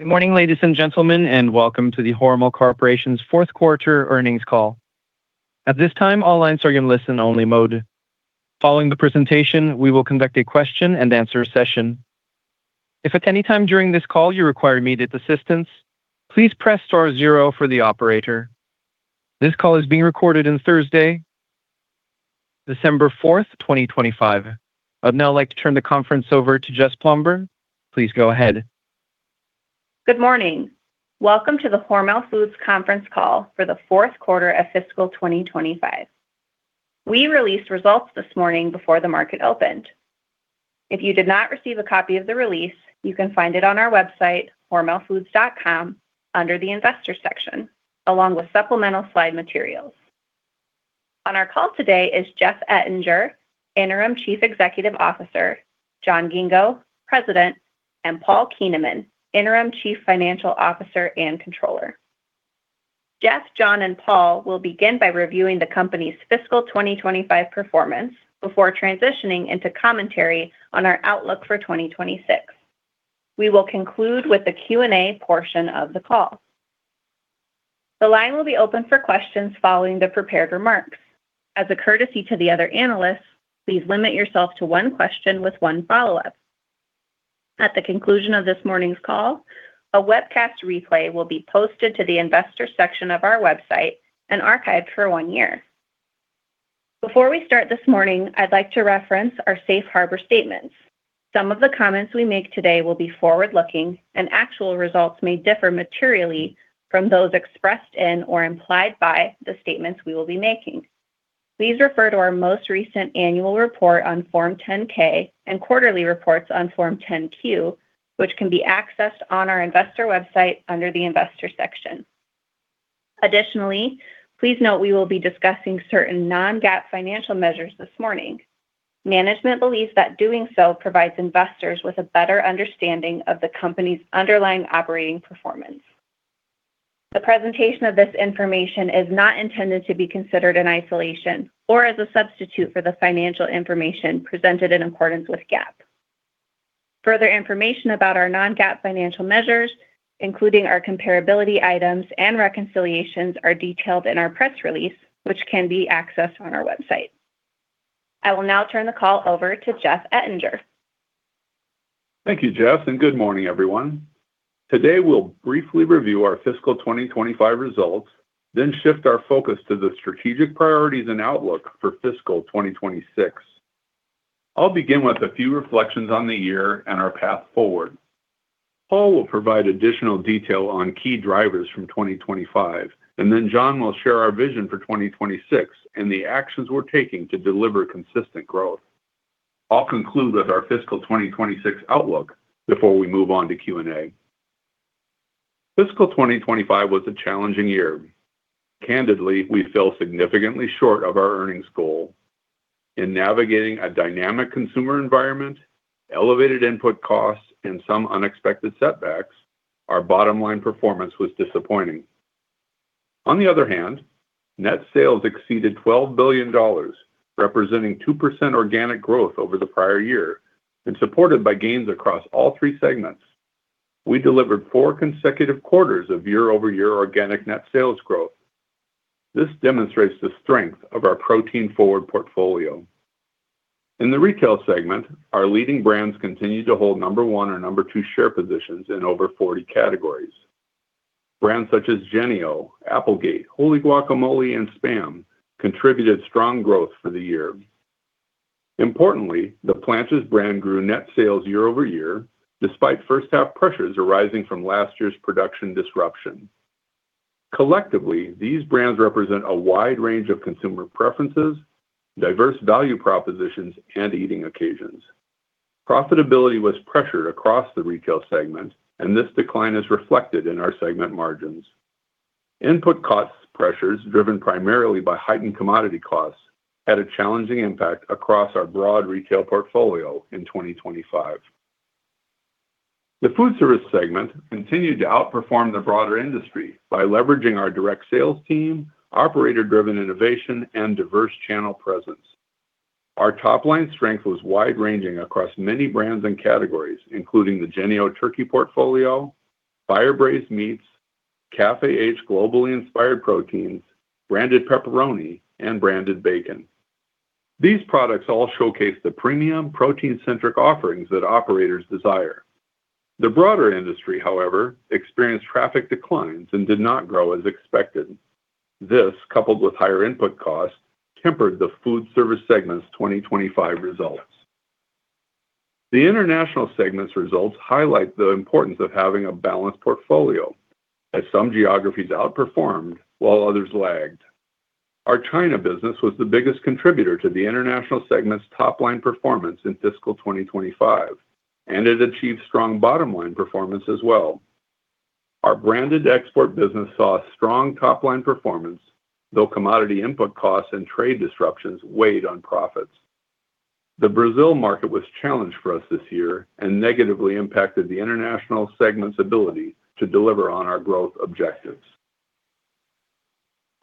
Good morning, ladies and gentlemen, and welcome to the Hormel Corporation's Fourth Quarter Earnings call. At this time, all lines are in listen-only mode. Following the presentation, we will conduct a question-and-answer session. If at any time during this call you require immediate assistance, please press star zero for the operator. This call is being recorded on Thursday, December 4th, 2025. I'd now like to turn the conference over to Jess Blomberg. Please go ahead. Good morning. Welcome to the Hormel Foods conference call for the fourth quarter of fiscal 2025. We released results this morning before the market opened. If you did not receive a copy of the release, you can find it on our website, hormelfoods.com, under the investor section, along with supplemental slide materials. On our call today is Jeff Ettinger, Interim Chief Executive Officer, John Ghingo, President, and Paul Keenon, Interim Chief Financial Officer and Controller. Jeff, John, and Paul will begin by reviewing the company's fiscal 2025 performance before transitioning into commentary on our outlook for 2026. We will conclude with the Q&A portion of the call. The line will be open for questions following the prepared remarks. As a courtesy to the other analysts, please limit yourself to one question with one follow-up. At the conclusion of this morning's call, a webcast replay will be posted to the investor section of our website and archived for one year. Before we start this morning, I'd like to reference our safe harbor statements. Some of the comments we make today will be forward-looking, and actual results may differ materially from those expressed in or implied by the statements we will be making. Please refer to our most recent annual report on Form 10-K and quarterly reports on Form 10-Q, which can be accessed on our investor website under the investor section. Additionally, please note we will be discussing certain non-GAAP financial measures this morning. Management believes that doing so provides investors with a better understanding of the company's underlying operating performance. The presentation of this information is not intended to be considered in isolation or as a substitute for the financial information presented in accordance with GAAP. Further information about our non-GAAP financial measures, including our comparability items and reconciliations, is detailed in our press release, which can be accessed on our website. I will now turn the call over to Jeff Ettinger. Thank you, Jess, and good morning, everyone. Today, we'll briefly review our fiscal 2025 results, then shift our focus to the strategic priorities and outlook for fiscal 2026. I'll begin with a few reflections on the year and our path forward. Paul will provide additional detail on key drivers from 2025, and then John will share our vision for 2026 and the actions we're taking to deliver consistent growth. I'll conclude with our fiscal 2026 outlook before we move on to Q&A. Fiscal 2025 was a challenging year. Candidly, we fell significantly short of our earnings goal. In navigating a dynamic consumer environment, elevated input costs, and some unexpected setbacks, our bottom-line performance was disappointing. On the other hand, net sales exceeded $12 billion, representing 2% organic growth over the prior year and supported by gains across all three segments. We delivered four consecutive quarters of year-over-year organic net sales growth. This demonstrates the strength of our protein-forward portfolio. In the retail segment, our leading brands continued to hold number one or number two share positions in over 40 categories. Brands such as Jennie-O, Applegate, Wholly Guacamole, and SPAM contributed strong growth for the year. Importantly, the Planters brand grew net sales year-over-year, despite first-half pressures arising from last year's production disruption. Collectively, these brands represent a wide range of consumer preferences, diverse value propositions, and eating occasions. Profitability was pressured across the retail segment, and this decline is reflected in our segment margins. Input cost pressures, driven primarily by heightened commodity costs, had a challenging impact across our broad retail portfolio in 2025. The foodservice segment continued to outperform the broader industry by leveraging our direct sales team, operator-driven innovation, and diverse channel presence. Our top-line strength was wide-ranging across many brands and categories, including the Jennie-O Turkey portfolio, Fire Braised Meats, Café H globally inspired proteins, Branded Pepperoni, and Branded Bacon. These products all showcase the premium, protein-centric offerings that operators desire. The broader industry, however, experienced traffic declines and did not grow as expected. This, coupled with higher input costs, tempered the foodservice segment's 2025 results. The international segment's results highlight the importance of having a balanced portfolio, as some geographies outperformed while others lagged. Our China business was the biggest contributor to the international segment's top-line performance in fiscal 2025, and it achieved strong bottom-line performance as well. Our branded export business saw strong top-line performance, though commodity input costs and trade disruptions weighed on profits. The Brazil market was a challenge for us this year and negatively impacted the international segment's ability to deliver on our growth objectives.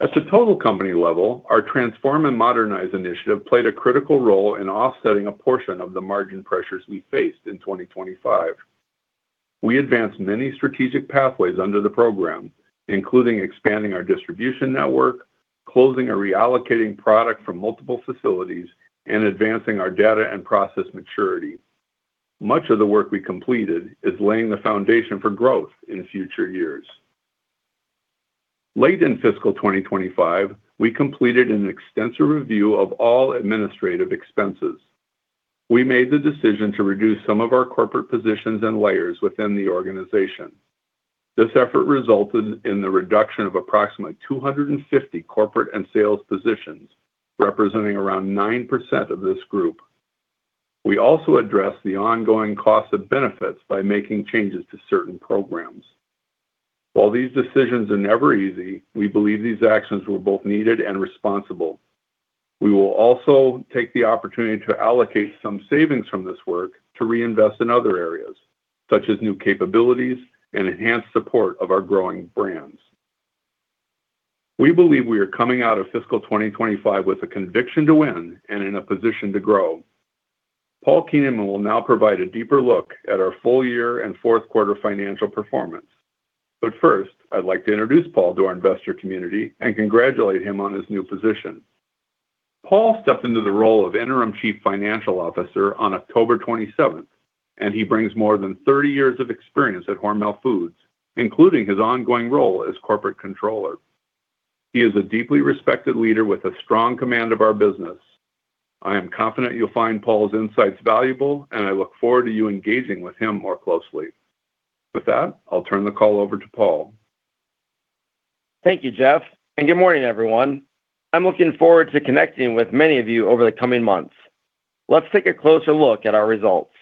At the total company level, our Transform & Modernize initiative played a critical role in offsetting a portion of the margin pressures we faced in 2025. We advanced many strategic pathways under the program, including expanding our distribution network, closing or reallocating product from multiple facilities, and advancing our data and process maturity. Much of the work we completed is laying the foundation for growth in future years. Late in fiscal 2025, we completed an extensive review of all administrative expenses. We made the decision to reduce some of our corporate positions and layers within the organization. This effort resulted in the reduction of approximately 250 corporate and sales positions, representing around 9% of this group. We also addressed the ongoing costs and benefits by making changes to certain programs. While these decisions are never easy, we believe these actions were both needed and responsible. We will also take the opportunity to allocate some savings from this work to reinvest in other areas, such as new capabilities and enhanced support of our growing brands. We believe we are coming out of fiscal 2025 with a conviction to win and in a position to grow. Paul Kuehneman will now provide a deeper look at our full year and fourth quarter financial performance. But first, I'd like to introduce Paul to our investor community and congratulate him on his new position. Paul stepped into the role of Interim Chief Financial Officer on October 27th, and he brings more than 30 years of experience at Hormel Foods, including his ongoing role as Corporate Controller. He is a deeply respected leader with a strong command of our business. I am confident you'll find Paul's insights valuable, and I look forward to you engaging with him more closely. With that, I'll turn the call over to Paul. Thank you, Jeff, and good morning, everyone. I'm looking forward to connecting with many of you over the coming months. Let's take a closer look at our results.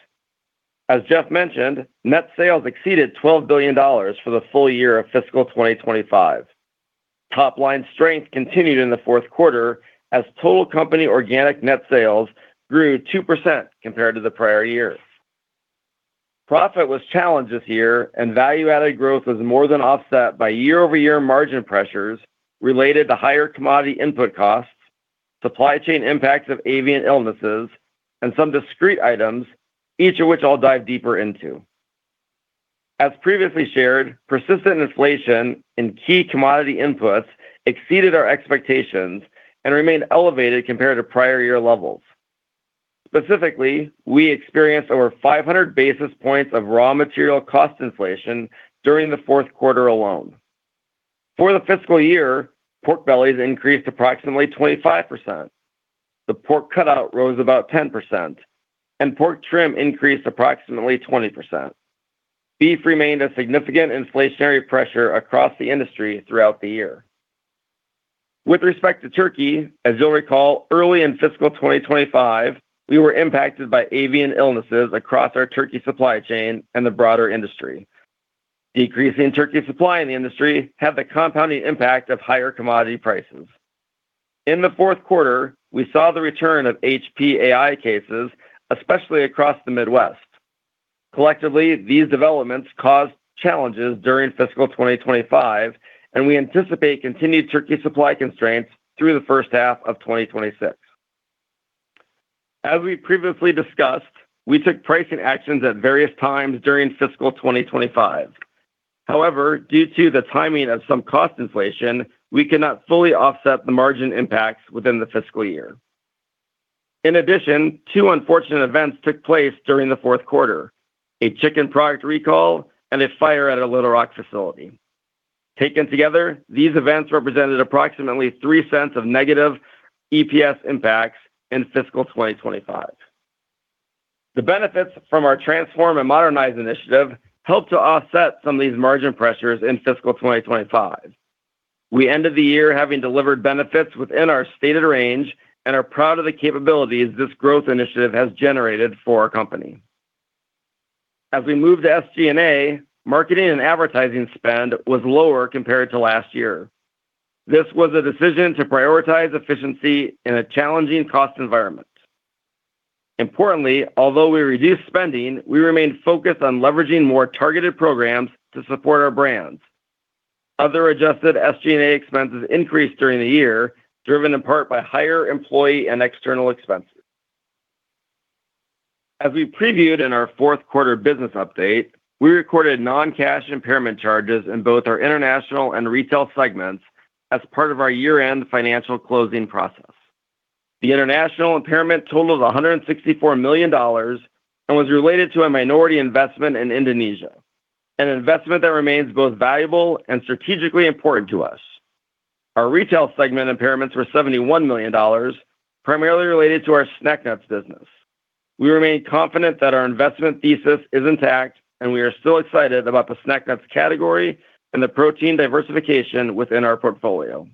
As Jeff mentioned, net sales exceeded $12 billion for the full year of fiscal 2025. Top-line strength continued in the fourth quarter as total company organic net sales grew 2% compared to the prior year. Profit was challenged this year, and value-added growth was more than offset by year-over-year margin pressures related to higher commodity input costs, supply chain impacts of avian illnesses, and some discrete items, each of which I'll dive deeper into. As previously shared, persistent inflation in key commodity inputs exceeded our expectations and remained elevated compared to prior year levels. Specifically, we experienced over 500 basis points of raw material cost inflation during the fourth quarter alone. For the fiscal year, pork bellies increased approximately 25%. The pork cutout rose about 10%, and pork trim increased approximately 20%. Beef remained a significant inflationary pressure across the industry throughout the year. With respect to turkey, as you'll recall, early in fiscal 2025, we were impacted by avian illnesses across our turkey supply chain and the broader industry. Decreasing turkey supply in the industry had the compounding impact of higher commodity prices. In the fourth quarter, we saw the return of HPAI cases, especially across the Midwest. Collectively, these developments caused challenges during fiscal 2025, and we anticipate continued turkey supply constraints through the first half of 2026. As we previously discussed, we took pricing actions at various times during fiscal 2025. However, due to the timing of some cost inflation, we cannot fully offset the margin impacts within the fiscal year. In addition, two unfortunate events took place during the fourth quarter: a chicken product recall and a fire at a Little Rock facility. Taken together, these events represented approximately $0.03 of negative EPS impacts in fiscal 2025. The benefits from our Transform & Modernize initiative helped to offset some of these margin pressures in fiscal 2025. We ended the year having delivered benefits within our stated range and are proud of the capabilities this growth initiative has generated for our company. As we moved to SG&A, marketing and advertising spend was lower compared to last year. This was a decision to prioritize efficiency in a challenging cost environment. Importantly, although we reduced spending, we remained focused on leveraging more targeted programs to support our brands. Other adjusted SG&A expenses increased during the year, driven in part by higher employee and external expenses. As we previewed in our fourth quarter business update, we recorded non-cash impairment charges in both our international and retail segments as part of our year-end financial closing process. The international impairment totaled $164 million and was related to a minority investment in Indonesia, an investment that remains both valuable and strategically important to us. Our retail segment impairments were $71 million, primarily related to our snack nuts business. We remain confident that our investment thesis is intact, and we are still excited about the snack nuts category and the protein diversification within our portfolio.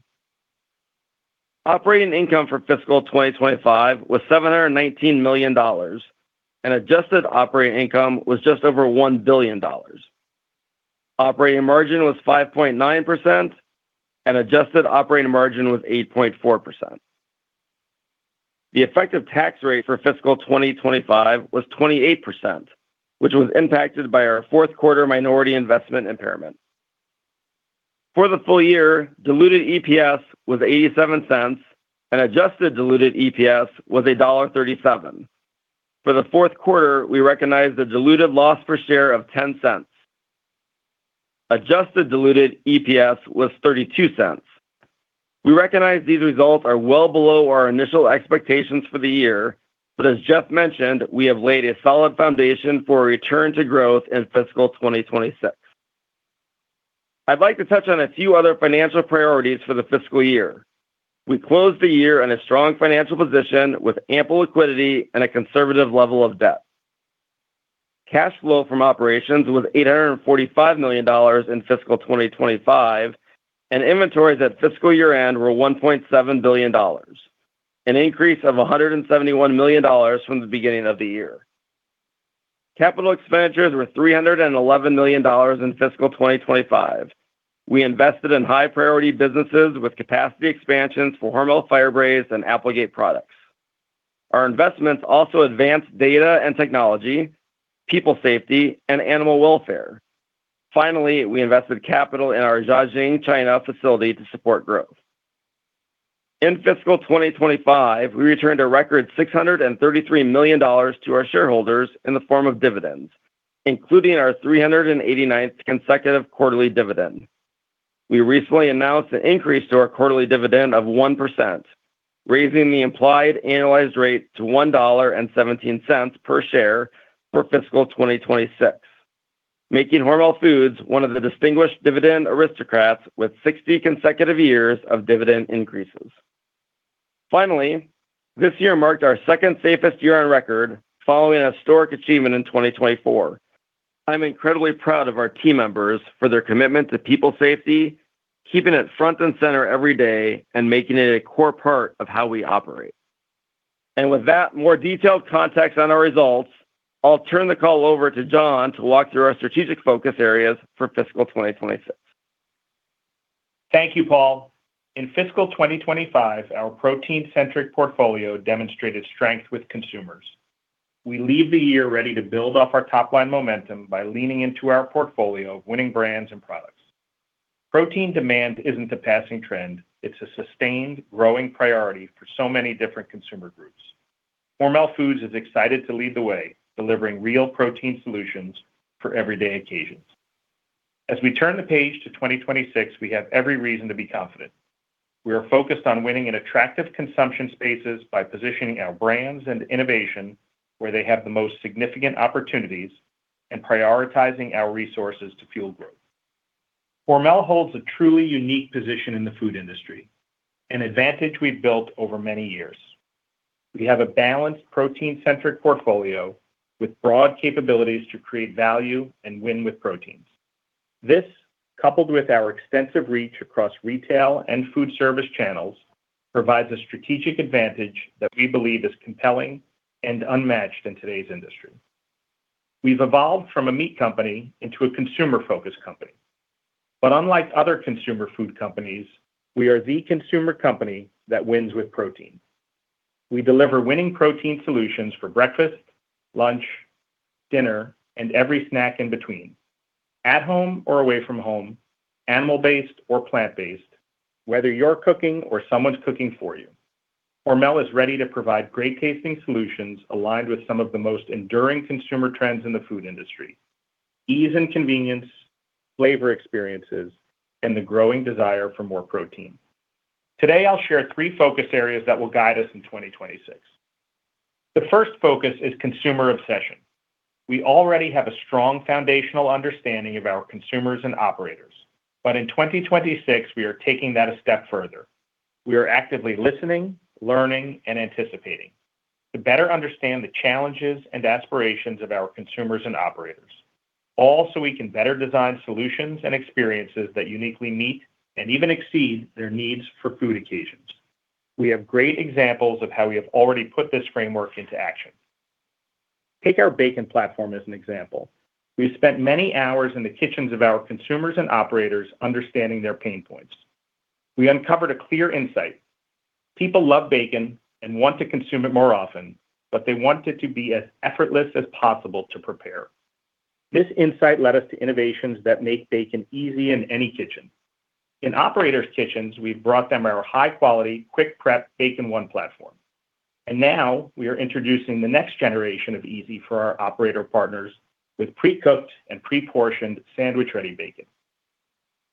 Operating income for fiscal 2025 was $719 million, and adjusted operating income was just over $1 billion. Operating margin was 5.9%, and adjusted operating margin was 8.4%. The effective tax rate for fiscal 2025 was 28%, which was impacted by our fourth quarter minority investment impairment. For the full year, diluted EPS was $0.87, and adjusted diluted EPS was $1.37. For the fourth quarter, we recognized a diluted loss per share of $0.10. Adjusted diluted EPS was $0.32. We recognize these results are well below our initial expectations for the year, but as Jeff mentioned, we have laid a solid foundation for a return to growth in fiscal 2026. I'd like to touch on a few other financial priorities for the fiscal year. We closed the year in a strong financial position with ample liquidity and a conservative level of debt. Cash flow from operations was $845 million in fiscal 2025, and inventories at fiscal year-end were $1.7 billion, an increase of $171 million from the beginning of the year. Capital expenditures were $311 million in fiscal 2025. We invested in high-priority businesses with capacity expansions for Hormel Fire Braised and Applegate products. Our investments also advanced data and technology, people safety, and animal welfare. Finally, we invested capital in our Jiaxing China facility to support growth. In fiscal 2025, we returned a record $633 million to our shareholders in the form of dividends, including our 389th consecutive quarterly dividend. We recently announced an increase to our quarterly dividend of 1%, raising the implied annualized rate to $1.17 per share for fiscal 2026, making Hormel Foods one of the distinguished Dividend Aristocrats with 60 consecutive years of dividend increases. Finally, this year marked our second safest year on record, following a historic achievement in 2024. I'm incredibly proud of our team members for their commitment to people safety, keeping it front and center every day, and making it a core part of how we operate. With that, more detailed context on our results, I'll turn the call over to John to walk through our strategic focus areas for fiscal 2026. Thank you, Paul. In fiscal 2025, our protein-centric portfolio demonstrated strength with consumers. We leave the year ready to build off our top-line momentum by leaning into our portfolio of winning brands and products. Protein demand isn't a passing trend. It's a sustained, growing priority for so many different consumer groups. Hormel Foods is excited to lead the way, delivering real protein solutions for everyday occasions. As we turn the page to 2026, we have every reason to be confident. We are focused on winning in attractive consumption spaces by positioning our brands and innovation where they have the most significant opportunities and prioritizing our resources to fuel growth. Hormel holds a truly unique position in the food industry, an advantage we've built over many years. We have a balanced protein-centric portfolio with broad capabilities to create value and win with proteins. This, coupled with our extensive reach across retail and food service channels, provides a strategic advantage that we believe is compelling and unmatched in today's industry. We've evolved from a meat company into a consumer-focused company. But unlike other consumer food companies, we are the consumer company that wins with protein. We deliver winning protein solutions for breakfast, lunch, dinner, and every snack in between, at home or away from home, animal-based or plant-based, whether you're cooking or someone's cooking for you. Hormel is ready to provide great tasting solutions aligned with some of the most enduring consumer trends in the food industry: ease and convenience, flavor experiences, and the growing desire for more protein. Today, I'll share three focus areas that will guide us in 2026. The first focus is consumer obsession. We already have a strong foundational understanding of our consumers and operators, but in 2026, we are taking that a step further. We are actively listening, learning, and anticipating to better understand the challenges and aspirations of our consumers and operators, all so we can better design solutions and experiences that uniquely meet and even exceed their needs for food occasions. We have great examples of how we have already put this framework into action. Take our bacon platform as an example. We've spent many hours in the kitchens of our consumers and operators understanding their pain points. We uncovered a clear insight: people love bacon and want to consume it more often, but they want it to be as effortless as possible to prepare. This insight led us to innovations that make bacon easy in any kitchen. In operators' kitchens, we've brought them our high-quality, quick-prep Bacon 1 platform. Now we are introducing the next generation of easy for our operator partners with pre-cooked and pre-portioned sandwich-ready bacon.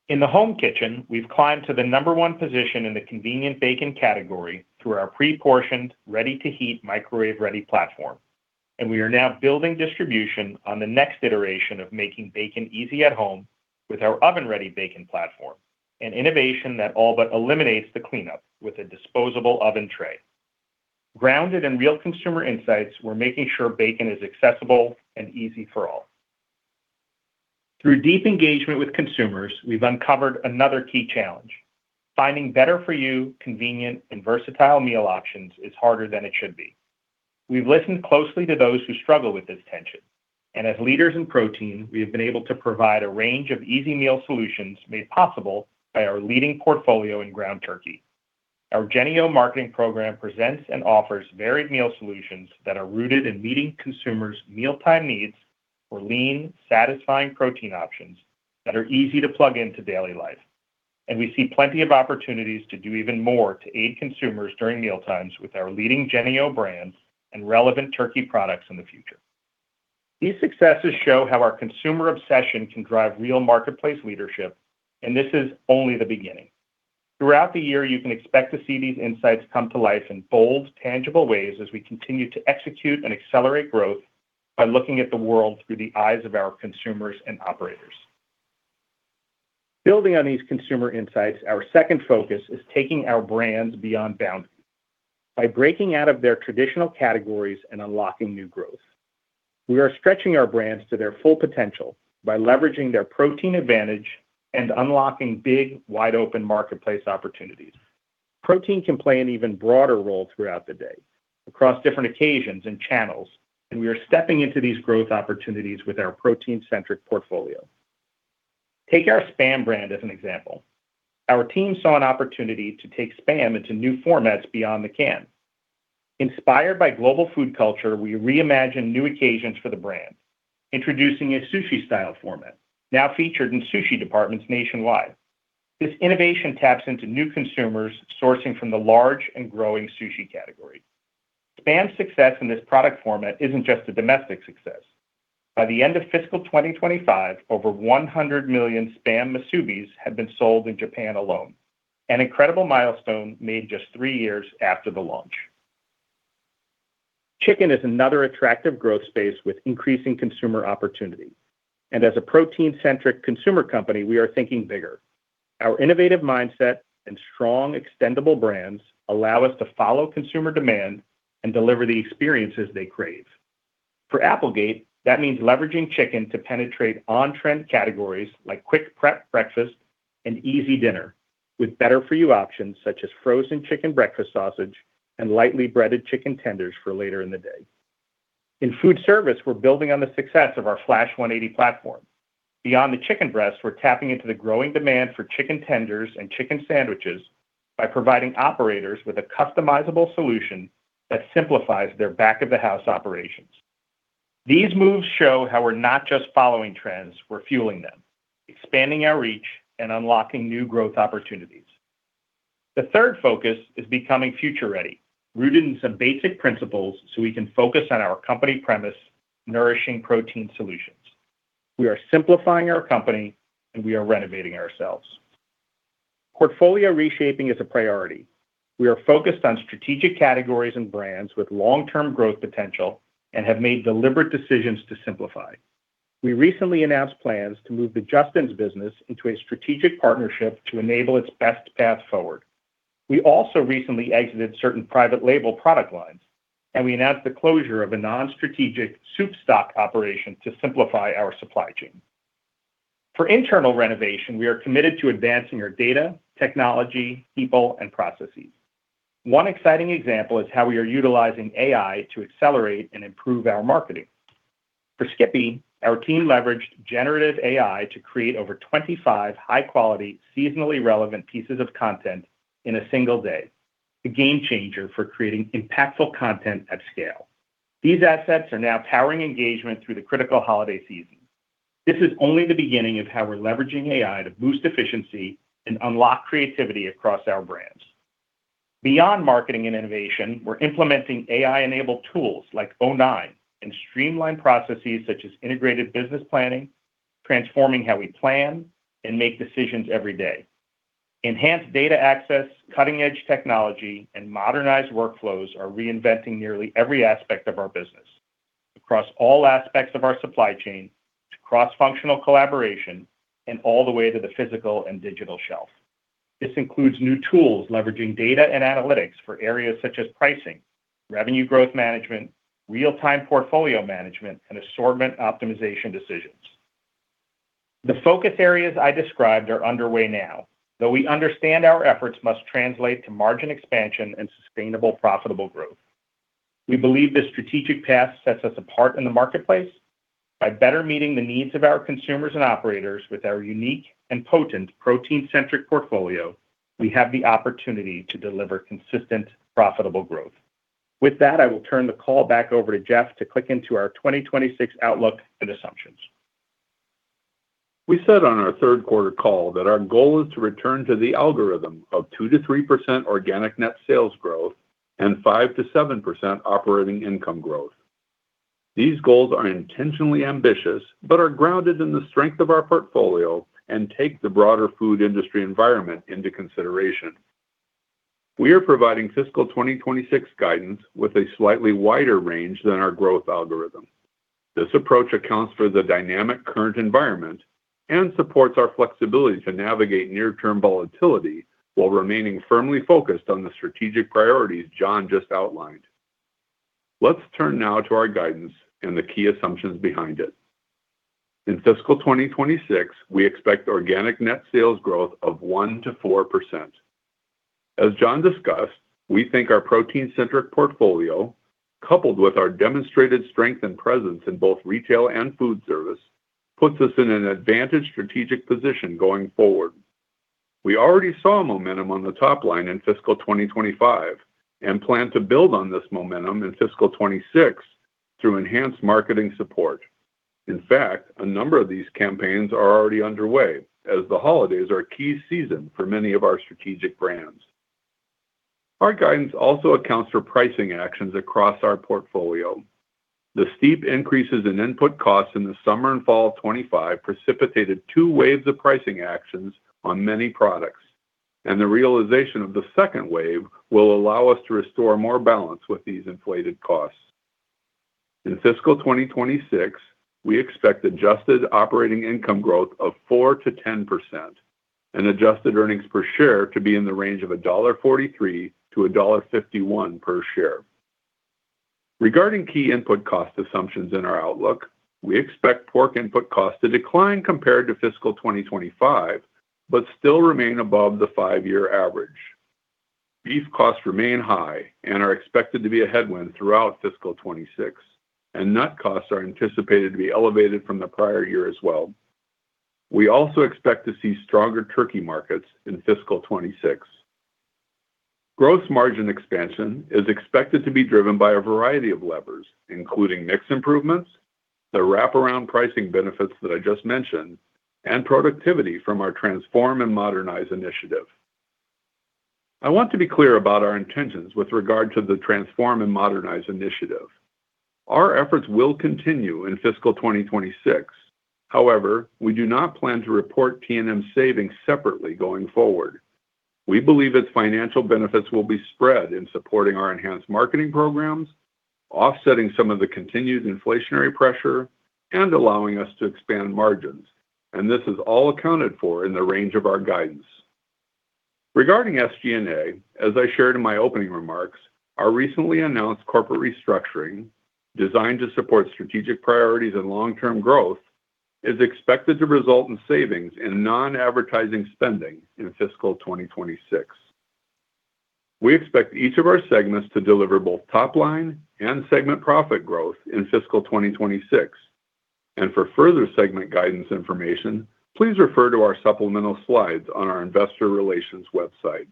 In the home kitchen, we've climbed to the number one position in the convenient bacon category through our pre-portioned, ready-to-heat, microwave-ready platform. We are now building distribution on the next iteration of making bacon easy at home with our oven-ready bacon platform, an innovation that all but eliminates the cleanup with a disposable oven tray. Grounded in real consumer insights, we're making sure bacon is accessible and easy for all. Through deep engagement with consumers, we've uncovered another key challenge. Finding better-for-you, convenient, and versatile meal options is harder than it should be. We've listened closely to those who struggle with this tension. As leaders in protein, we have been able to provide a range of easy meal solutions made possible by our leading portfolio in ground turkey. Our Jennie-O marketing program presents and offers varied meal solutions that are rooted in meeting consumers' mealtime needs for lean, satisfying protein options that are easy to plug into daily life. We see plenty of opportunities to do even more to aid consumers during mealtimes with our leading Jennie-O brands and relevant turkey products in the future. These successes show how our consumer obsession can drive real marketplace leadership, and this is only the beginning. Throughout the year, you can expect to see these insights come to life in bold, tangible ways as we continue to execute and accelerate growth by looking at the world through the eyes of our consumers and operators. Building on these consumer insights, our second focus is taking our brands beyond boundaries by breaking out of their traditional categories and unlocking new growth. We are stretching our brands to their full potential by leveraging their protein advantage and unlocking big, wide-open marketplace opportunities. Protein can play an even broader role throughout the day across different occasions and channels, and we are stepping into these growth opportunities with our protein-centric portfolio. Take our SPAM brand as an example. Our team saw an opportunity to take SPAM into new formats beyond the can. Inspired by global food culture, we reimagined new occasions for the brand, introducing a sushi-style format now featured in sushi departments nationwide. This innovation taps into new consumers sourcing from the large and growing sushi category. SPAM's success in this product format isn't just a domestic success. By the end of fiscal 2025, over 100 million SPAM Musubis had been sold in Japan alone, an incredible milestone made just three years after the launch. Chicken is another attractive growth space with increasing consumer opportunity, and as a protein-centric consumer company, we are thinking bigger. Our innovative mindset and strong, extendable brands allow us to follow consumer demand and deliver the experiences they crave. For Applegate, that means leveraging chicken to penetrate on-trend categories like quick-prep breakfast and easy dinner with better-for-you options such as frozen chicken breakfast sausage and lightly breaded chicken tenders for later in the day. In food service, we're building on the success of our Flash 180 platform. Beyond the chicken breast, we're tapping into the growing demand for chicken tenders and chicken sandwiches by providing operators with a customizable solution that simplifies their back-of-the-house operations. These moves show how we're not just following trends. We're fueling them, expanding our reach, and unlocking new growth opportunities. The third focus is becoming future-ready, rooted in some basic principles so we can focus on our company premise, nourishing protein solutions. We are simplifying our company, and we are renovating ourselves. Portfolio reshaping is a priority. We are focused on strategic categories and brands with long-term growth potential and have made deliberate decisions to simplify. We recently announced plans to move the Justin's business into a strategic partnership to enable its best path forward. We also recently exited certain private label product lines, and we announced the closure of a non-strategic soup stock operation to simplify our supply chain. For internal renovation, we are committed to advancing our data, technology, people, and processes. One exciting example is how we are utilizing AI to accelerate and improve our marketing. For Skippy, our team leveraged generative AI to create over 25 high-quality, seasonally relevant pieces of content in a single day, a game changer for creating impactful content at scale. These assets are now powering engagement through the critical holiday season. This is only the beginning of how we're leveraging AI to boost efficiency and unlock creativity across our brands. Beyond marketing and innovation, we're implementing AI-enabled tools like O9 and streamlined processes such as integrated business planning, transforming how we plan and make decisions every day. Enhanced data access, cutting-edge technology, and modernized workflows are reinventing nearly every aspect of our business across all aspects of our supply chain to cross-functional collaboration and all the way to the physical and digital shelf. This includes new tools leveraging data and analytics for areas such as pricing, revenue growth management, real-time portfolio management, and assortment optimization decisions. The focus areas I described are underway now, though we understand our efforts must translate to margin expansion and sustainable profitable growth. We believe this strategic path sets us apart in the marketplace. By better meeting the needs of our consumers and operators with our unique and potent protein-centric portfolio, we have the opportunity to deliver consistent, profitable growth. With that, I will turn the call back over to Jeff to click into our 2026 outlook and assumptions. We said on our third-quarter call that our goal is to return to the algorithm of 2%-3% organic net sales growth and 5%-7% operating income growth. These goals are intentionally ambitious but are grounded in the strength of our portfolio and take the broader food industry environment into consideration. We are providing fiscal 2026 guidance with a slightly wider range than our growth algorithm. This approach accounts for the dynamic current environment and supports our flexibility to navigate near-term volatility while remaining firmly focused on the strategic priorities John just outlined. Let's turn now to our guidance and the key assumptions behind it. In fiscal 2026, we expect organic net sales growth of 1%-4%. As John discussed, we think our protein-centric portfolio, coupled with our demonstrated strength and presence in both retail and food service, puts us in an advantaged strategic position going forward. We already saw momentum on the top line in fiscal 2025 and plan to build on this momentum in fiscal 2026 through enhanced marketing support. In fact, a number of these campaigns are already underway as the holidays are a key season for many of our strategic brands. Our guidance also accounts for pricing actions across our portfolio. The steep increases in input costs in the summer and fall of 2025 precipitated two waves of pricing actions on many products, and the realization of the second wave will allow us to restore more balance with these inflated costs. In fiscal 2026, we expect adjusted operating income growth of 4% to 10% and adjusted earnings per share to be in the range of $1.43 to $1.51 per share. Regarding key input cost assumptions in our outlook, we expect pork input costs to decline compared to fiscal 2025 but still remain above the five-year average. Beef costs remain high and are expected to be a headwind throughout fiscal 2026, and nut costs are anticipated to be elevated from the prior year as well. We also expect to see stronger turkey markets in fiscal 2026. Gross margin expansion is expected to be driven by a variety of levers, including mix improvements, the wraparound pricing benefits that I just mentioned, and productivity from our Transform & Modernize initiative. I want to be clear about our intentions with regard to the Transform & Modernize initiative. Our efforts will continue in fiscal 2026. However, we do not plan to report T&M savings separately going forward. We believe its financial benefits will be spread in supporting our enhanced marketing programs, offsetting some of the continued inflationary pressure, and allowing us to expand margins. And this is all accounted for in the range of our guidance. Regarding SG&A, as I shared in my opening remarks, our recently announced corporate restructuring designed to support strategic priorities and long-term growth is expected to result in savings in non-advertising spending in fiscal 2026. We expect each of our segments to deliver both top line and segment profit growth in fiscal 2026. And for further segment guidance information, please refer to our supplemental slides on our investor relations website.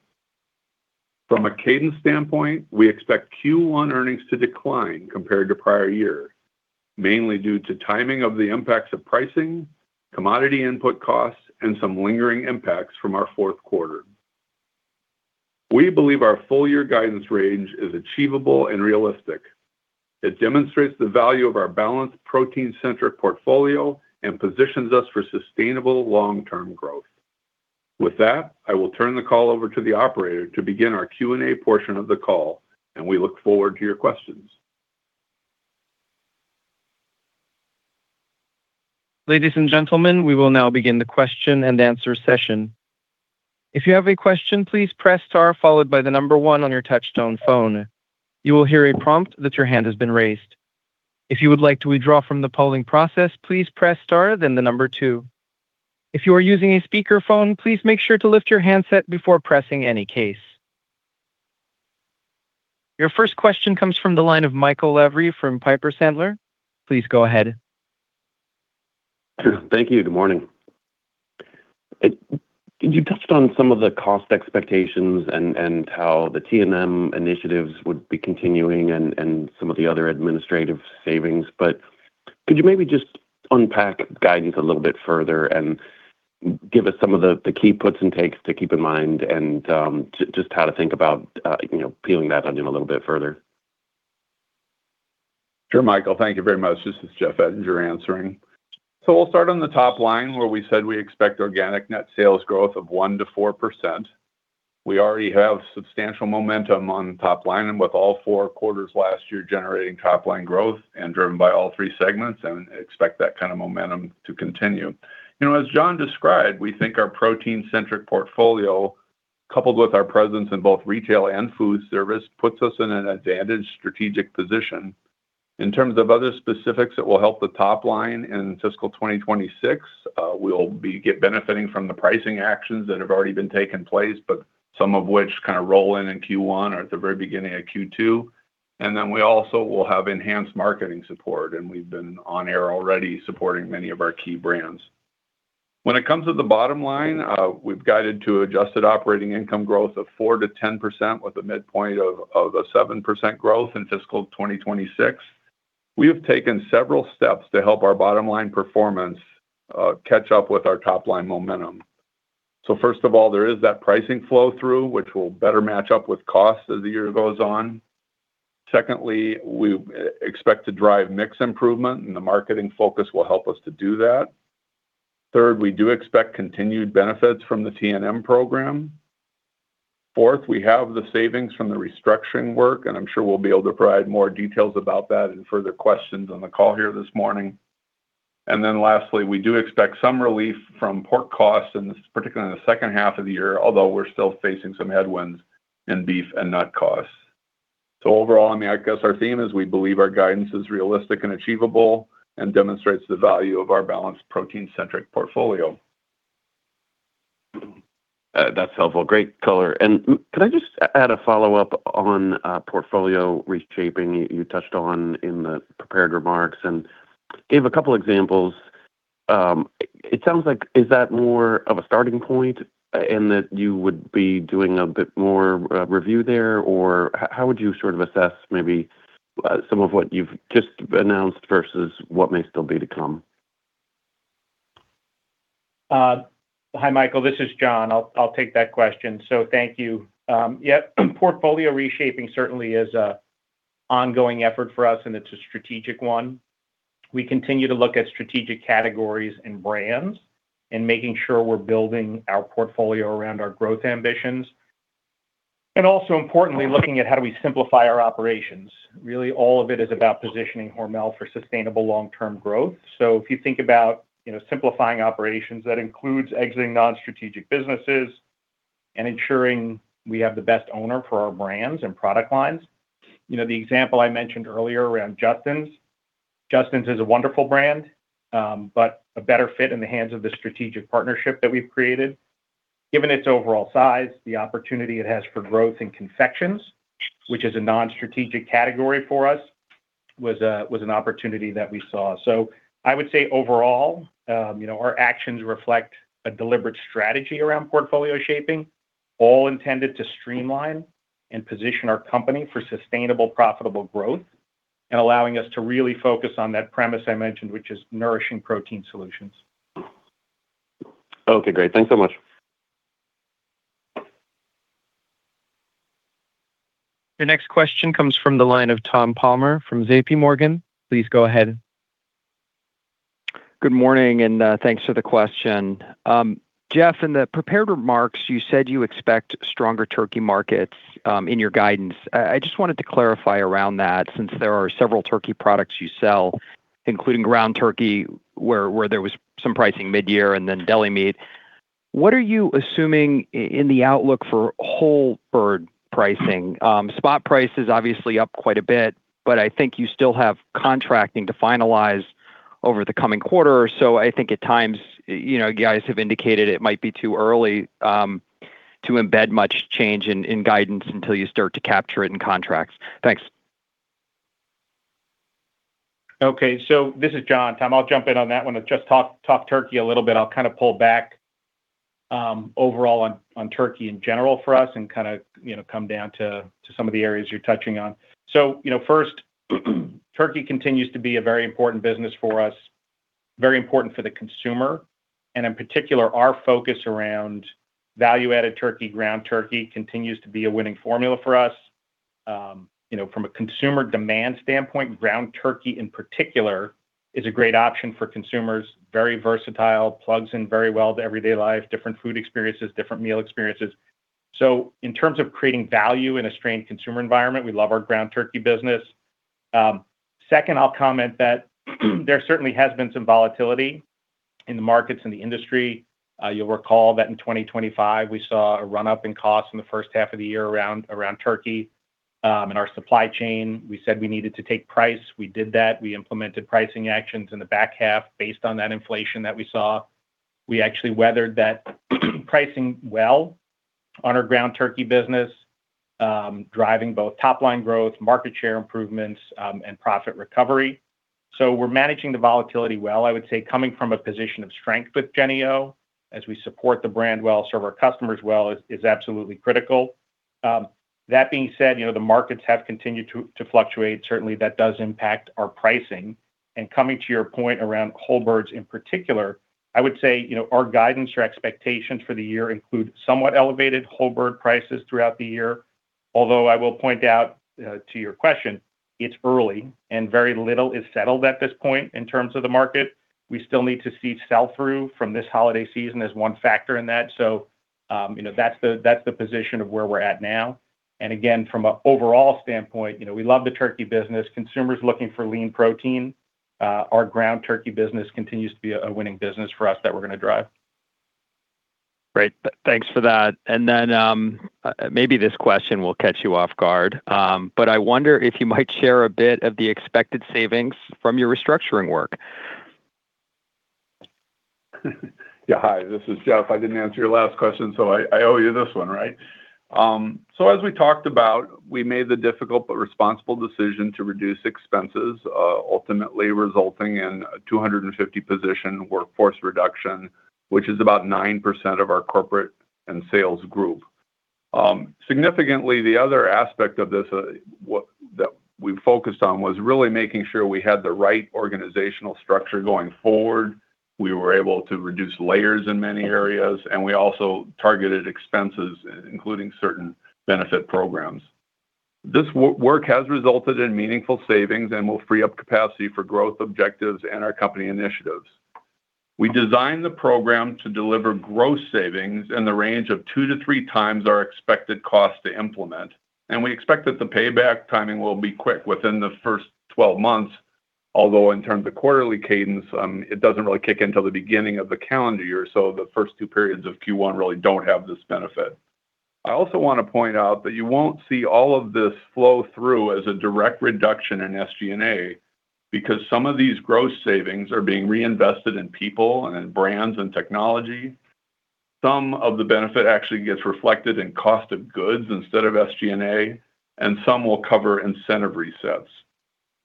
From a cadence standpoint, we expect Q1 earnings to decline compared to prior year, mainly due to timing of the impacts of pricing, commodity input costs, and some lingering impacts from our fourth quarter. We believe our full-year guidance range is achievable and realistic. It demonstrates the value of our balanced protein-centric portfolio and positions us for sustainable long-term growth. With that, I will turn the call over to the operator to begin our Q&A portion of the call, and we look forward to your questions. Ladies and gentlemen, we will now begin the question and answer session. If you have a question, please press star, followed by the number one on your touch-tone phone. You will hear a prompt that your hand has been raised. If you would like to withdraw from the polling process, please press star, then the number two. If you are using a speakerphone, please make sure to lift your handset before pressing any keys. Your first question comes from the line of Michael Lavery from Piper Sandler. Please go ahead. Thank you. Good morning. You touched on some of the cost expectations and how the T&M initiatives would be continuing and some of the other administrative savings. But could you maybe just unpack guidance a little bit further and give us some of the key puts and takes to keep in mind and just how to think about peeling that onion a little bit further? Sure, Michael. Thank you very much. This is Jeff Ettinger answering, so we'll start on the top line where we said we expect organic net sales growth of 1%-4%. We already have substantial momentum on top line and with all four quarters last year generating top line growth and driven by all three segments and expect that kind of momentum to continue. As John described, we think our protein-centric portfolio, coupled with our presence in both retail and food service, puts us in an advantaged strategic position. In terms of other specifics that will help the top line in fiscal 2026, we'll be benefiting from the pricing actions that have already been taken place, but some of which kind of roll in in Q1 or at the very beginning of Q2. Then we also will have enhanced marketing support, and we've been on air already supporting many of our key brands. When it comes to the bottom line, we've guided to adjusted operating income growth of 4%-10% with a midpoint of a 7% growth in fiscal 2026. We have taken several steps to help our bottom line performance catch up with our top line momentum. First of all, there is that pricing flow through, which will better match up with costs as the year goes on. Secondly, we expect to drive mix improvement, and the marketing focus will help us to do that. Third, we do expect continued benefits from the T&M program. Fourth, we have the savings from the restructuring work, and I'm sure we'll be able to provide more details about that and further questions on the call here this morning. And then lastly, we do expect some relief from pork costs, particularly in the second half of the year, although we're still facing some headwinds in beef and nut costs. So overall, I mean, I guess our theme is we believe our guidance is realistic and achievable and demonstrates the value of our balanced protein-centric portfolio. That's helpful. Great color. And could I just add a follow-up on portfolio reshaping you touched on in the prepared remarks and gave a couple of examples? It sounds like, is that more of a starting point in that you would be doing a bit more review there? Or how would you sort of assess maybe some of what you've just announced versus what may still be to come? Hi, Michael. This is John. I'll take that question. So thank you. Yep. Portfolio reshaping certainly is an ongoing effort for us, and it's a strategic one. We continue to look at strategic categories and brands and making sure we're building our portfolio around our growth ambitions, and also importantly, looking at how do we simplify our operations. Really, all of it is about positioning Hormel for sustainable long-term growth, so if you think about simplifying operations, that includes exiting non-strategic businesses and ensuring we have the best owner for our brands and product lines. The example I mentioned earlier around Justin's, Justin's is a wonderful brand, but a better fit in the hands of the strategic partnership that we've created. Given its overall size, the opportunity it has for growth in confections, which is a non-strategic category for us, was an opportunity that we saw. So, I would say overall, our actions reflect a deliberate strategy around portfolio shaping, all intended to streamline and position our company for sustainable profitable growth and allowing us to really focus on that premise I mentioned, which is nourishing protein solutions. Okay. Great. Thanks so much. Your next question comes from the line of Tom Palmer from JPMorgan. Please go ahead. Good morning, and thanks for the question. Jeff, in the prepared remarks, you said you expect stronger turkey markets in your guidance. I just wanted to clarify around that since there are several turkey products you sell, including ground turkey where there was some pricing mid-year and then deli meat. What are you assuming in the outlook for whole bird pricing? Spot price is obviously up quite a bit, but I think you still have contracting to finalize over the coming quarter. So I think at times you guys have indicated it might be too early to embed much change in guidance until you start to capture it in contracts. Thanks. Okay. So this is John. Tom, I'll jump in on that one. I'll just talk turkey a little bit. I'll kind of pull back overall on turkey in general for us and kind of come down to some of the areas you're touching on. So first, turkey continues to be a very important business for us, very important for the consumer. And in particular, our focus around value-added turkey, ground turkey continues to be a winning formula for us. From a consumer demand standpoint, ground turkey in particular is a great option for consumers. Very versatile, plugs in very well to everyday life, different food experiences, different meal experiences. So in terms of creating value in a strained consumer environment, we love our ground turkey business. Second, I'll comment that there certainly has been some volatility in the markets and the industry. You'll recall that in 2025, we saw a run-up in costs in the first half of the year around turkey. In our supply chain, we said we needed to take price. We did that. We implemented pricing actions in the back half based on that inflation that we saw. We actually weathered that pricing well on our ground turkey business, driving both top line growth, market share improvements, and profit recovery. So we're managing the volatility well. I would say coming from a position of strength with Jennie-O as we support the brand well, serve our customers well is absolutely critical. That being said, the markets have continued to fluctuate. Certainly, that does impact our pricing. Coming to your point around whole birds in particular, I would say our guidance or expectations for the year include somewhat elevated whole bird prices throughout the year. Although I will point out to your question, it's early and very little is settled at this point in terms of the market. We still need to see sell-through from this holiday season as one factor in that. So that's the position of where we're at now. And again, from an overall standpoint, we love the turkey business. Consumers looking for lean protein. Our ground turkey business continues to be a winning business for us that we're going to drive. Great. Thanks for that. And then maybe this question will catch you off guard, but I wonder if you might share a bit of the expected savings from your restructuring work. Yeah. Hi. This is Jeff. I didn't answer your last question, so I owe you this one, right? So as we talked about, we made the difficult but responsible decision to reduce expenses, ultimately resulting in a 250-position workforce reduction, which is about 9% of our corporate and sales group. Significantly, the other aspect of this that we focused on was really making sure we had the right organizational structure going forward. We were able to reduce layers in many areas, and we also targeted expenses, including certain benefit programs. This work has resulted in meaningful savings and will free up capacity for growth objectives and our company initiatives. We designed the program to deliver gross savings in the range of two to three times our expected cost to implement. And we expect that the payback timing will be quick within the first 12 months, although in terms of quarterly cadence, it doesn't really kick into the beginning of the calendar year. So the first two periods of Q1 really don't have this benefit. I also want to point out that you won't see all of this flow through as a direct reduction in SG&A because some of these gross savings are being reinvested in people and in brands and technology. Some of the benefit actually gets reflected in cost of goods instead of SG&A, and some will cover incentive resets.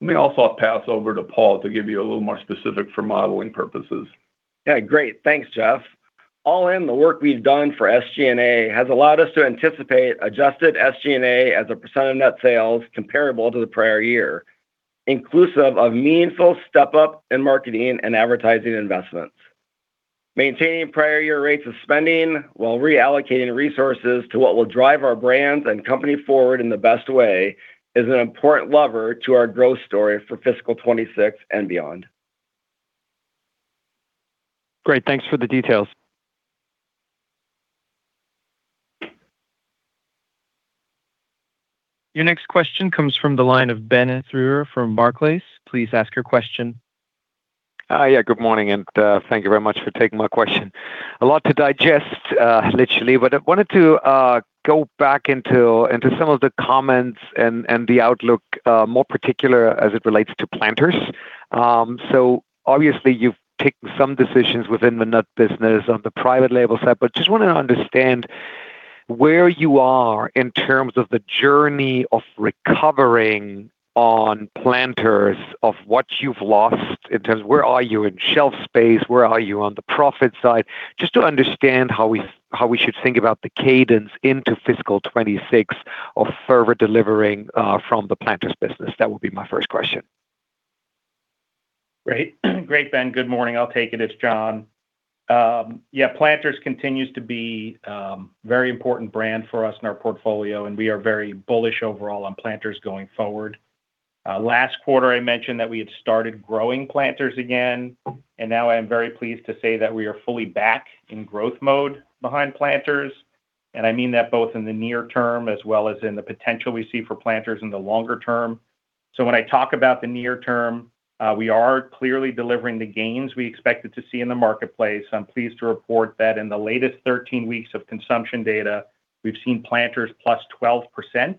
Let me also pass over to Paul to give you a little more specific for modeling purposes. Yeah. Great. Thanks, Jeff. All in, the work we've done for SG&A has allowed us to anticipate adjusted SG&A as a percent of net sales comparable to the prior year, inclusive of meaningful step-up in marketing and advertising investments. Maintaining prior year rates of spending while reallocating resources to what will drive our brands and company forward in the best way is an important lever to our growth story for Fiscal 2026 and beyond. Great. Thanks for the details. Your next question comes from the line of Ben Theurer from Barclays. Please ask your question. Yeah. Good morning, and thank you very much for taking my question. A lot to digest, literally, but I wanted to go back into some of the comments and the outlook more particular as it relates to Planters. So obviously, you've taken some decisions within the nut business on the private label side, but just want to understand where you are in terms of the journey of recovering on Planters of what you've lost in terms of where are you in shelf space, where are you on the profit side, just to understand how we should think about the cadence into Fiscal 2026 of further delivering from the Planters business. That would be my first question. Great. Great, Ben. Good morning. I'll take it. It's John. Yeah. Planters continues to be a very important brand for us in our portfolio, and we are very bullish overall on Planters going forward. Last quarter, I mentioned that we had started growing Planters again, and now I am very pleased to say that we are fully back in growth mode behind Planters. And I mean that both in the near term as well as in the potential we see for Planters in the longer term. So when I talk about the near term, we are clearly delivering the gains we expected to see in the marketplace. I'm pleased to report that in the latest 13 weeks of consumption data, we've seen Planters 12%+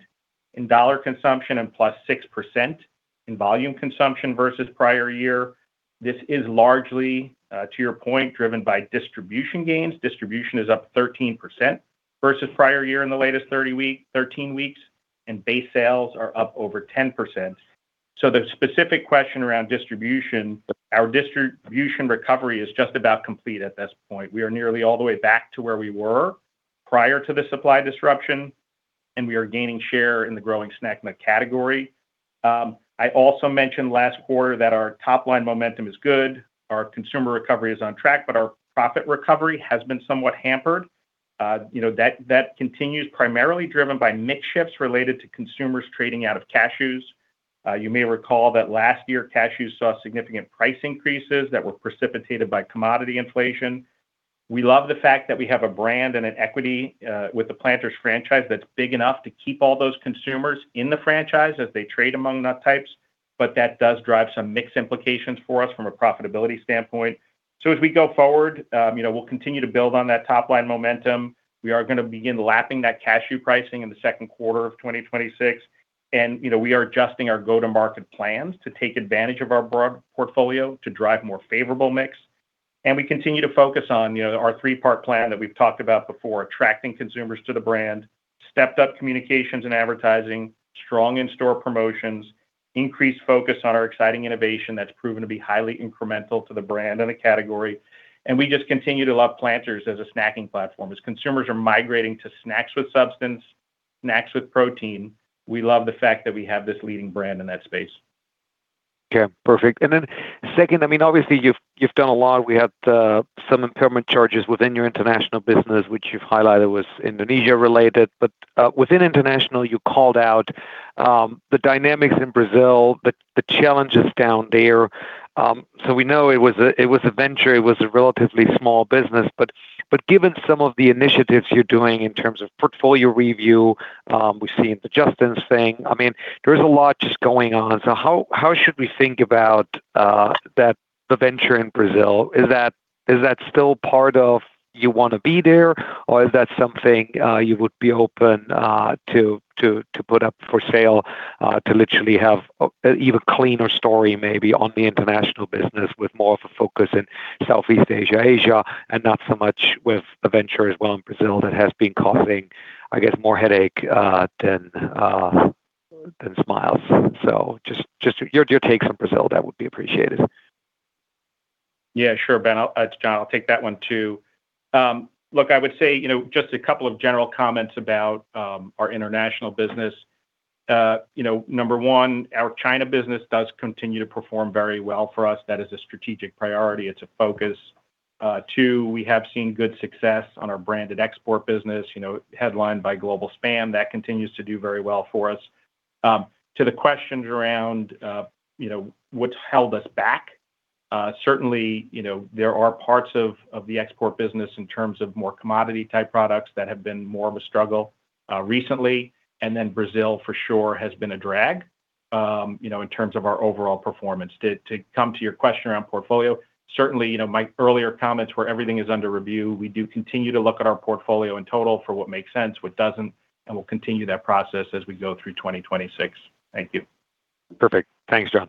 in dollar consumption and 6%+ in volume consumption versus prior year. This is largely, to your point, driven by distribution gains. Distribution is up 13% versus prior year in the latest 13 weeks, and base sales are up over 10%, so the specific question around distribution, our distribution recovery is just about complete at this point. We are nearly all the way back to where we were prior to the supply disruption, and we are gaining share in the growing snack in the category. I also mentioned last quarter that our top line momentum is good. Our consumer recovery is on track, but our profit recovery has been somewhat hampered. That continues primarily driven by mix shifts related to consumers trading out of cashews. You may recall that last year, cashews saw significant price increases that were precipitated by commodity inflation. We love the fact that we have a brand and an equity with the Planters franchise that's big enough to keep all those consumers in the franchise as they trade among nut types, but that does drive some mixed implications for us from a profitability standpoint. So as we go forward, we'll continue to build on that top line momentum. We are going to begin lapping that cashew pricing in the second quarter of 2026. And we are adjusting our go-to-market plans to take advantage of our broad portfolio to drive more favorable mix. And we continue to focus on our three-part plan that we've talked about before, attracting consumers to the brand, stepped-up communications and advertising, strong in-store promotions, increased focus on our exciting innovation that's proven to be highly incremental to the brand and the category. And we just continue to love Planters as a snacking platform. As consumers are migrating to snacks with substance, snacks with protein, we love the fact that we have this leading brand in that space. Okay. Perfect. And then second, I mean, obviously, you've done a lot. We had some impairment charges within your international business, which you've highlighted was Indonesia-related. But within international, you called out the dynamics in Brazil, the challenges down there. So we know it was a venture. It was a relatively small business. But given some of the initiatives you're doing in terms of portfolio review, we've seen the Justin's thing. I mean, there is a lot just going on. So how should we think about the venture in Brazil? Is that still part of you want to be there, or is that something you would be open to put up for sale to literally have an even cleaner story maybe on the international business with more of a focus in Southeast Asia, Asia, and not so much with the venture as well in Brazil that has been causing, I guess, more headache than smiles. So just your takes on Brazil, that would be appreciated. Yeah. Sure, Ben. It's John, I'll take that one too. Look, I would say just a couple of general comments about our international business. Number one, our China business does continue to perform very well for us. That is a strategic priority. It's a focus. Two, we have seen good success on our branded export business, headlined by global SPAM. That continues to do very well for us. To the questions around what's held us back, certainly, there are parts of the export business in terms of more commodity-type products that have been more of a struggle recently. And then Brazil, for sure, has been a drag in terms of our overall performance. To come to your question around portfolio, certainly, my earlier comments were everything is under review. We do continue to look at our portfolio in total for what makes sense, what doesn't, and we'll continue that process as we go through 2026. Thank you. Perfect. Thanks, John.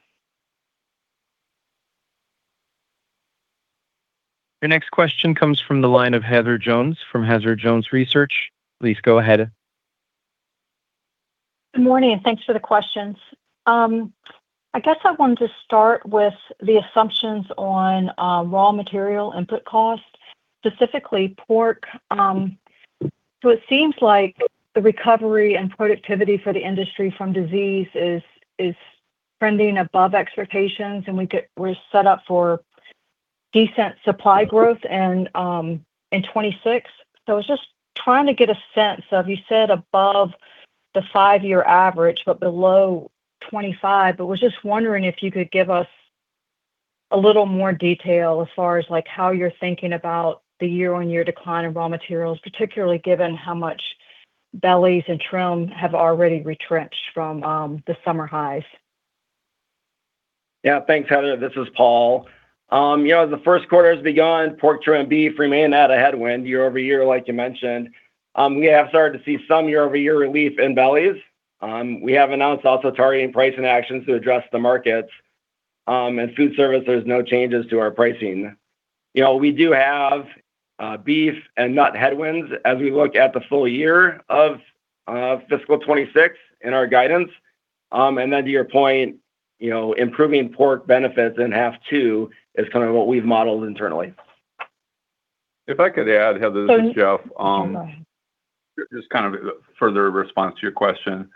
Your next question comes from the line of Heather Jones from Heather Jones Research. Please go ahead. Good morning. Thanks for the questions. I guess I wanted to start with the assumptions on raw material input cost, specifically pork. So it seems like the recovery and productivity for the industry from disease is trending above expectations, and we're set up for decent supply growth in 2026. So I was just trying to get a sense of, you said above the five-year average, but below 2025. But I was just wondering if you could give us a little more detail as far as how you're thinking about the year-on-year decline in raw materials, particularly given how much bellies and trim have already retrenched from the summer highs. Yeah. Thanks, Heather. This is Paul. As the first quarter has begun, pork trim and beef remain a headwind year-over-year, like you mentioned. We have started to see some year-over-year relief in bellies. We have announced also targeting pricing actions to address the markets. In food service, there's no changes to our pricing. We do have beef and nut headwinds as we look at the full year of fiscal 2026 in our guidance. And then to your point, improving pork benefits in half two is kind of what we've modeled internally. If I could add, Heather, this is Jeff. Go ahead. Just kind of further response to your question.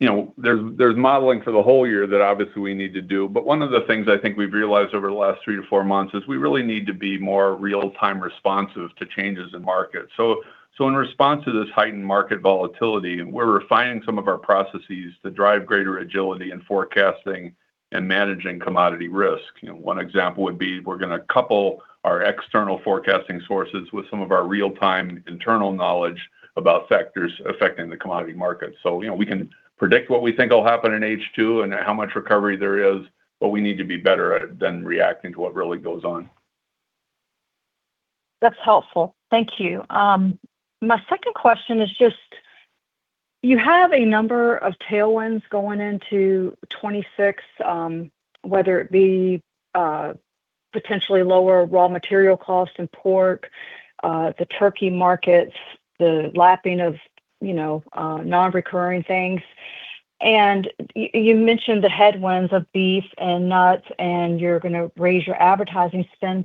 There's modeling for the whole year that obviously we need to do. But one of the things I think we've realized over the last three to four months is we really need to be more real-time responsive to changes in markets. So in response to this heightened market volatility, we're refining some of our processes to drive greater agility in forecasting and managing commodity risk. One example would be we're going to couple our external forecasting sources with some of our real-time internal knowledge about factors affecting the commodity market. So we can predict what we think will happen in H2 and how much recovery there is, but we need to be better at then reacting to what really goes on. That's helpful. Thank you. My second question is just you have a number of tailwinds going into 2026, whether it be potentially lower raw material costs in pork, the turkey markets, the lapping of non-recurring things. And you mentioned the headwinds of beef and nuts, and you're going to raise your advertising spend.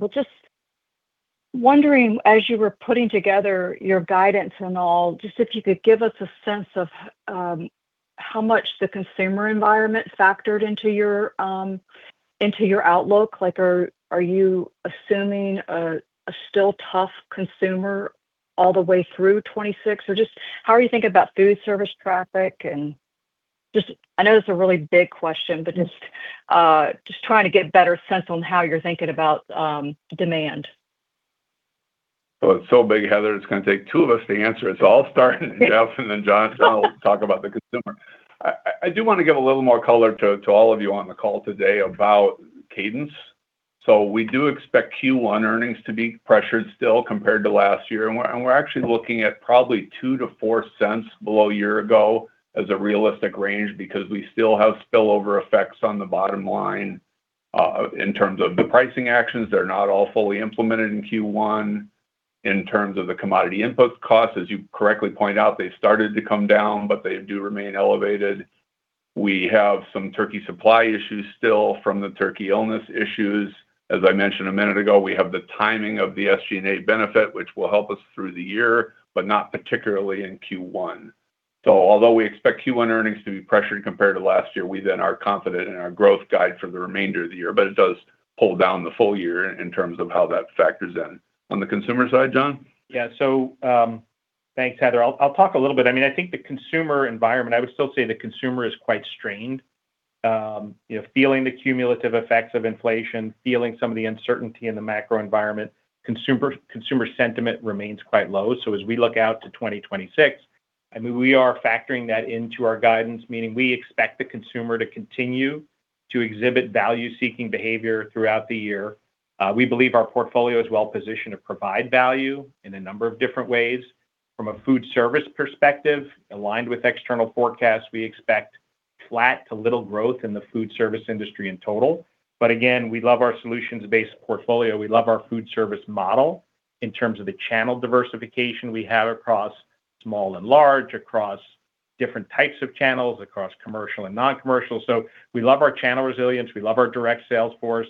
But just wondering, as you were putting together your guidance and all, just if you could give us a sense of how much the consumer environment factored into your outlook. Are you assuming a still tough consumer all the way through 2026? Or just how are you thinking about food service traffic? And I know that's a really big question, but just trying to get a better sense on how you're thinking about demand. It's so big, Heather. It's going to take two of us to answer. It's all starting with Jeff and then John. John will talk about the consumer. I do want to give a little more color to all of you on the call today about cadence. We do expect Q1 earnings to be pressured still compared to last year. We're actually looking at probably $0.02-$0.04 below year ago as a realistic range because we still have spillover effects on the bottom line in terms of the pricing actions. They're not all fully implemented in Q1. In terms of the commodity input costs, as you correctly point out, they've started to come down, but they do remain elevated. We have some turkey supply issues still from the turkey illness issues. As I mentioned a minute ago, we have the timing of the SG&A benefit, which will help us through the year, but not particularly in Q1. So although we expect Q1 earnings to be pressured compared to last year, we then are confident in our growth guide for the remainder of the year. But it does pull down the full year in terms of how that factors in. On the consumer side, John? Yeah. So thanks, Heather. I'll talk a little bit. I mean, I think the consumer environment, I would still say the consumer is quite strained, feeling the cumulative effects of inflation, feeling some of the uncertainty in the macro environment. Consumer sentiment remains quite low. So as we look out to 2026, I mean, we are factoring that into our guidance, meaning we expect the consumer to continue to exhibit value-seeking behavior throughout the year. We believe our portfolio is well-positioned to provide value in a number of different ways. From a food service perspective, aligned with external forecasts, we expect flat to little growth in the food service industry in total. But again, we love our solutions-based portfolio. We love our food service model in terms of the channel diversification we have across small and large, across different types of channels, across commercial and non-commercial. So we love our channel resilience. We love our direct sales force.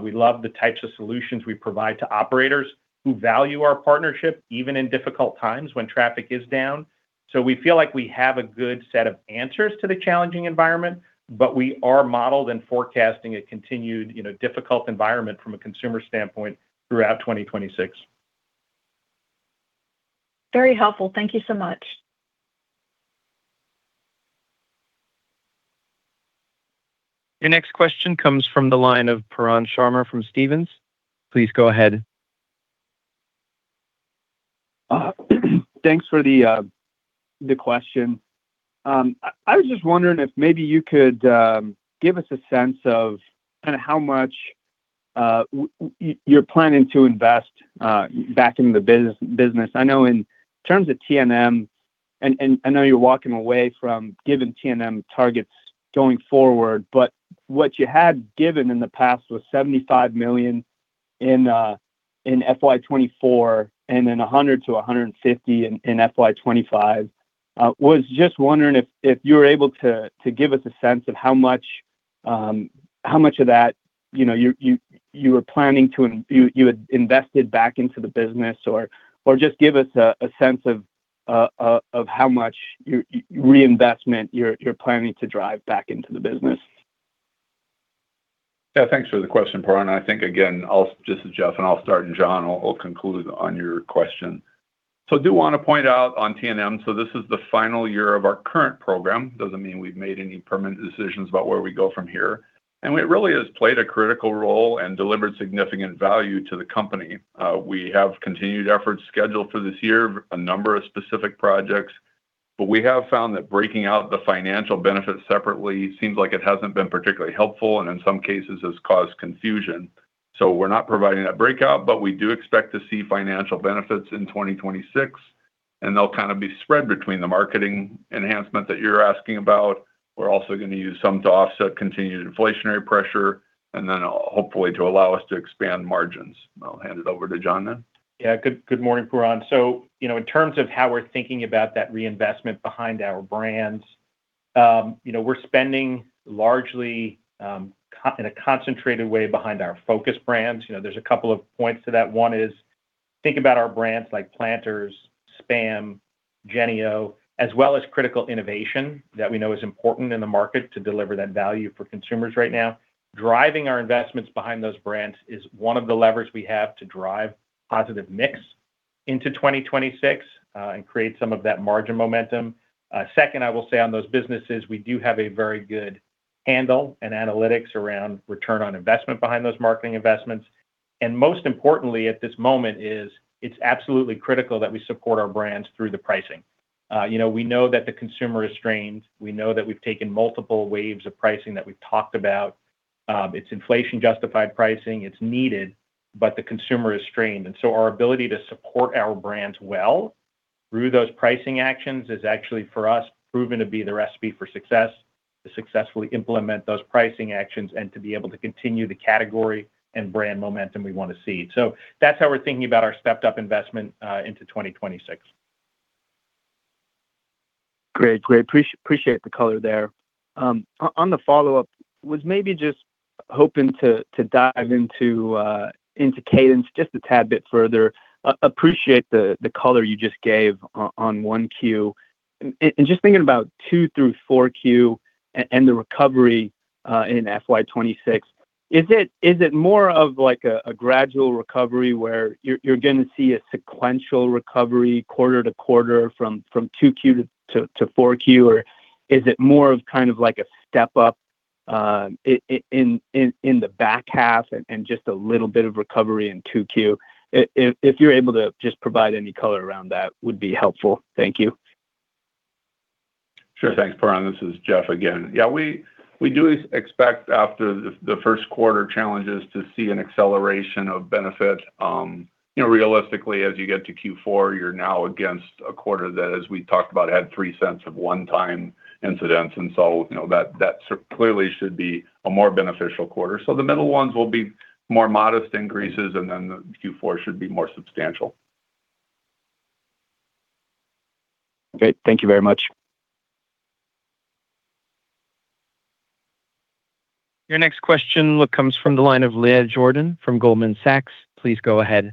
We love the types of solutions we provide to operators who value our partnership even in difficult times when traffic is down. So we feel like we have a good set of answers to the challenging environment, but we are modeled and forecasting a continued difficult environment from a consumer standpoint throughout 2026. Very helpful. Thank you so much. Your next question comes from the line of Pooran Sharma from Stephens. Please go ahead. Thanks for the question. I was just wondering if maybe you could give us a sense of kind of how much you're planning to invest back in the business. I know in terms of T&M, and I know you're walking away from giving T&M targets going forward, but what you had given in the past was $75 million in FY24 and then $100 million-$150 million in FY25. I was just wondering if you were able to give us a sense of how much of that you were planning to invest back into the business, or just give us a sense of how much reinvestment you're planning to drive back into the business. Yeah. Thanks for the question, Pooran. I think, again, just as Jeff, and I'll start, and John will conclude on your question. So I do want to point out on T&M, so this is the final year of our current program. It doesn't mean we've made any permanent decisions about where we go from here. And it really has played a critical role and delivered significant value to the company. We have continued efforts scheduled for this year, a number of specific projects. But we have found that breaking out the financial benefits separately seems like it hasn't been particularly helpful, and in some cases, has caused confusion. So we're not providing that breakout, but we do expect to see financial benefits in 2026. And they'll kind of be spread between the marketing enhancement that you're asking about. We're also going to use some to offset continued inflationary pressure, and then hopefully to allow us to expand margins. I'll hand it over to John then. Yeah. Good morning, Pooran. So in terms of how we're thinking about that reinvestment behind our brands, we're spending largely in a concentrated way behind our focus brands. There's a couple of points to that. One is think about our brands like Planters, SPAM, Jennie-O, as well as critical innovation that we know is important in the market to deliver that value for consumers right now. Driving our investments behind those brands is one of the levers we have to drive positive mix into 2026 and create some of that margin momentum. Second, I will say on those businesses, we do have a very good handle and analytics around return on investment behind those marketing investments. And most importantly at this moment is it's absolutely critical that we support our brands through the pricing. We know that the consumer is strained. We know that we've taken multiple waves of pricing that we've talked about. It's inflation-justified pricing. It's needed, but the consumer is strained. And so our ability to support our brands well through those pricing actions is actually, for us, proven to be the recipe for success, to successfully implement those pricing actions and to be able to continue the category and brand momentum we want to see. So that's how we're thinking about our stepped-up investment into 2026. Great. Great. Appreciate the color there. On the follow-up, was maybe just hoping to dive into cadence just a tad bit further. Appreciate the color you just gave on 1Q. And just thinking about 2 through 4Q and the recovery in FY26, is it more of a gradual recovery where you're going to see a sequential recovery quarter to quarter from 2Q to 4Q, or is it more of kind of a step-up in the back half and just a little bit of recovery in 2Q? If you're able to just provide any color around that, it would be helpful. Thank you. Sure. Thanks, Pooran. This is Jeff again. Yeah. We do expect after the first quarter challenges to see an acceleration of benefits. Realistically, as you get to Q4, you're now against a quarter that, as we talked about, had $0.03 of one-time incidents. And so that clearly should be a more beneficial quarter. So the middle ones will be more modest increases, and then Q4 should be more substantial. Great. Thank you very much. Your next question comes from the line of Leah Jordan from Goldman Sachs. Please go ahead.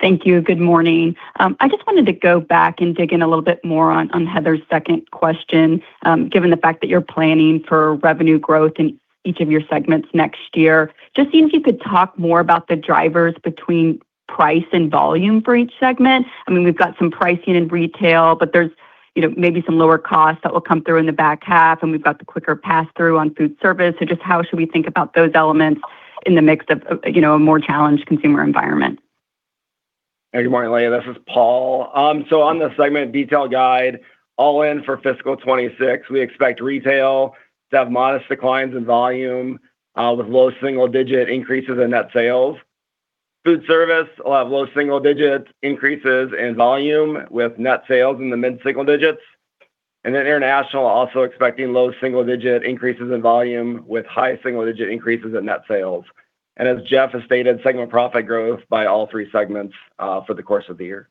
Thank you. Good morning. I just wanted to go back and dig in a little bit more on Heather's second question, given the fact that you're planning for revenue growth in each of your segments next year. Just seeing if you could talk more about the drivers between price and volume for each segment. I mean, we've got some pricing in retail, but there's maybe some lower costs that will come through in the back half, and we've got the quicker pass-through on food service. So just how should we think about those elements in the mix of a more challenged consumer environment? Hey, good morning, Leah. This is Paul. So on the segment detail guide, all in for Fiscal 2026, we expect retail to have modest declines in volume with low single-digit increases in net sales. Food service will have low single-digit increases in volume with net sales in the mid-single digits. And then international, also expecting low single-digit increases in volume with high single-digit increases in net sales. And as Jeff has stated, segment profit growth by all three segments for the course of the year.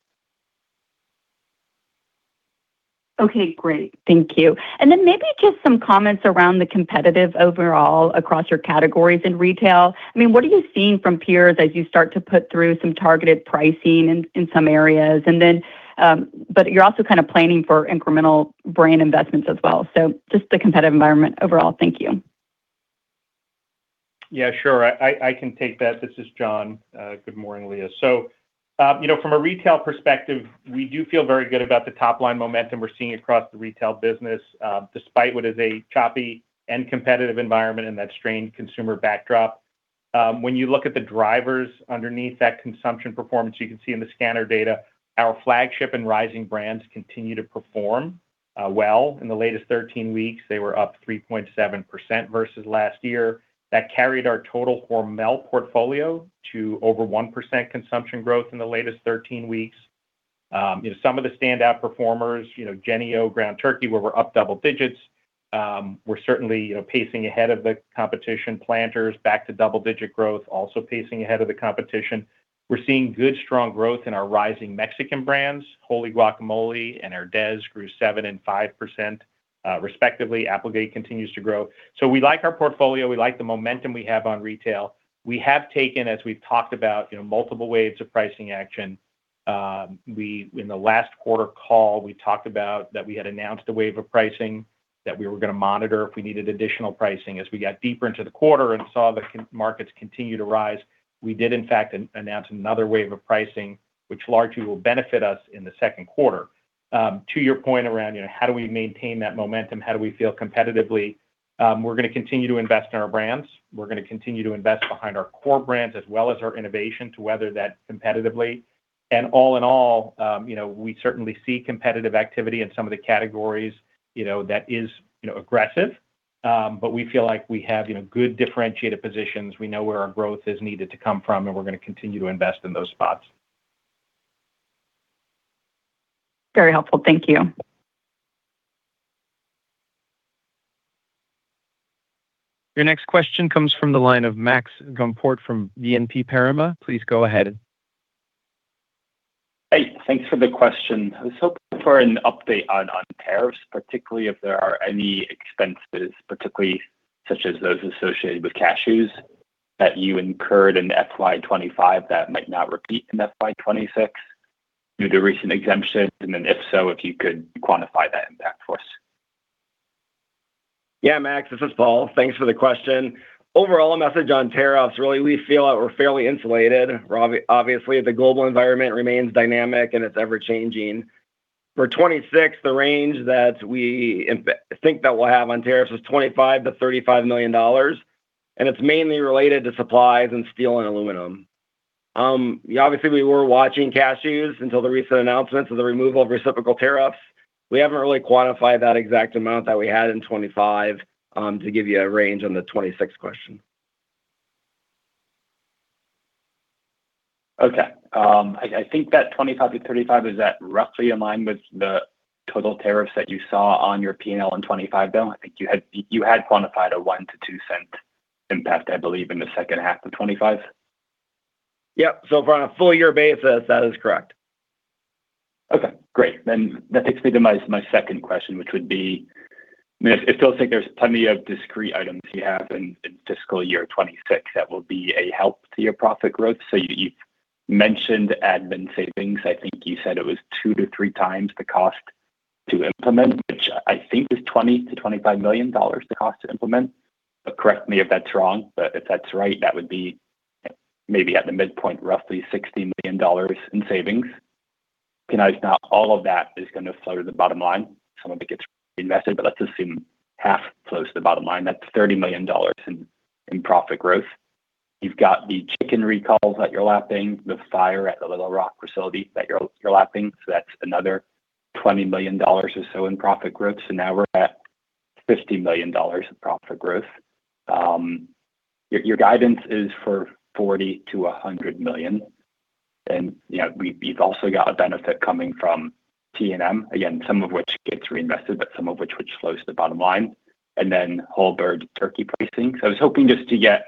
Okay. Great. Thank you. And then maybe just some comments around the competitive overall across your categories in retail. I mean, what are you seeing from peers as you start to put through some targeted pricing in some areas? But you're also kind of planning for incremental brand investments as well. So just the competitive environment overall. Thank you. Yeah. Sure. I can take that. This is John. Good morning, Leah. So from a retail perspective, we do feel very good about the top-line momentum we're seeing across the retail business despite what is a choppy and competitive environment and that strained consumer backdrop. When you look at the drivers underneath that consumption performance, you can see in the scanner data, our flagship and rising brands continue to perform well. In the latest 13 weeks, they were up 3.7% versus last year. That carried our total core melt portfolio to over 1% consumption growth in the latest 13 weeks. Some of the standout performers, Jennie-O, Ground Turkey, where we're up double digits, we're certainly pacing ahead of the competition. Planters, back to double-digit growth, also pacing ahead of the competition. We're seeing good strong growth in our rising Mexican brands. Wholly Guacamole and Herdez grew 7% and 5% respectively. Applegate continues to grow. So we like our portfolio. We like the momentum we have on retail. We have taken, as we've talked about, multiple waves of pricing action. In the last quarter call, we talked about that we had announced a wave of pricing that we were going to monitor if we needed additional pricing. As we got deeper into the quarter and saw the markets continue to rise, we did, in fact, announce another wave of pricing, which largely will benefit us in the second quarter. To your point around how do we maintain that momentum, how do we feel competitively? We're going to continue to invest in our brands. We're going to continue to invest behind our core brands as well as our innovation to weather that competitively. And all in all, we certainly see competitive activity in some of the categories that is aggressive. But we feel like we have good differentiated positions. We know where our growth is needed to come from, and we're going to continue to invest in those spots. Very helpful. Thank you. Your next question comes from the line of Max Gumport from BNP Paribas. Please go ahead. Hey. Thanks for the question. I was hoping for an update on tariffs, particularly if there are any expenses, particularly such as those associated with cashews that you incurred in FY25 that might not repeat in FY26 due to recent exemptions. And then if so, if you could quantify that impact for us? Yeah, Max, this is Paul. Thanks for the question. Overall, a message on tariffs. Really, we feel that we're fairly insulated. Obviously, the global environment remains dynamic, and it's ever-changing. For 2026, the range that we think that we'll have on tariffs is $25 million-$35 million. And it's mainly related to supplies and steel and aluminum. Obviously, we were watching cashews until the recent announcements of the removal of reciprocal tariffs. We haven't really quantified that exact amount that we had in 2025 to give you a range on the 2026 question. Okay. I think that $25 million-$35 million, is that roughly in line with the total tariffs that you saw on your P&L in 2025, Bill? I think you had quantified a $0.01-$0.02 impact, I believe, in the second half of 2025. Yep. So for a full-year basis, that is correct. Okay. Great. Then that takes me to my second question, which would be, I mean, I still think there's plenty of discrete items you have in fiscal year 2026 that will be a help to your profit growth. So you've mentioned admin savings. I think you said it was two to three times the cost to implement, which I think is $20 million-$25 million to cost to implement. But correct me if that's wrong. But if that's right, that would be maybe at the midpoint, roughly $60 million in savings. Now, all of that is going to flow to the bottom line. Some of it gets reinvested, but let's assume half flows to the bottom line. That's $30 million in profit growth. You've got the chicken recalls that you're lapping, the fire at the Little Rock facility that you're lapping. So that's another $20 million or so in profit growth. So now we're at $50 million in profit growth. Your guidance is for $40 million-$100 million. And you've also got a benefit coming from T&M, again, some of which gets reinvested, but some of which would slow the bottom line. And then whole bird turkey pricing. So I was hoping just to get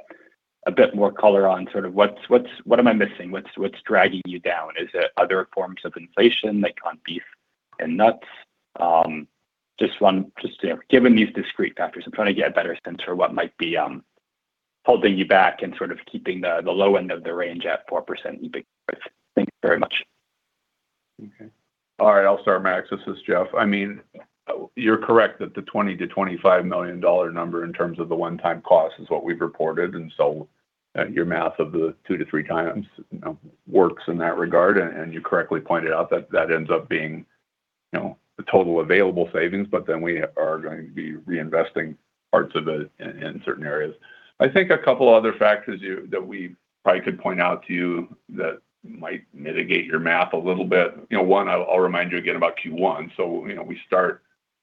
a bit more color on sort of what am I missing? What's dragging you down? Is it other forms of inflation like on beef and nuts? Just given these discrete factors, I'm trying to get a better sense for what might be holding you back and sort of keeping the low end of the range at 4%. Thank you very much. Okay. All right. I'll start, Max. This is Jeff. I mean, you're correct that the $20 million-$25 million number in terms of the one-time cost is what we've reported. And so your math of the two to three times works in that regard. And you correctly pointed out that that ends up being the total available savings, but then we are going to be reinvesting parts of it in certain areas. I think a couple of other factors that we probably could point out to you that might mitigate your math a little bit. One, I'll remind you again about Q1. So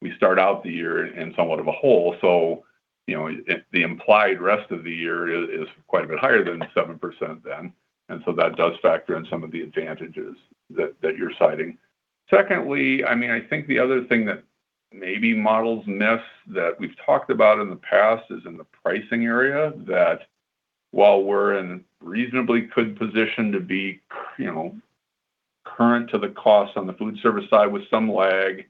we start out the year in somewhat of a hole. So the implied rest of the year is quite a bit higher than 7% then. And so that does factor in some of the advantages that you're citing. Secondly, I mean, I think the other thing that maybe models miss that we've talked about in the past is in the pricing area that while we're in a reasonably good position to be current to the cost on the food service side with some lag,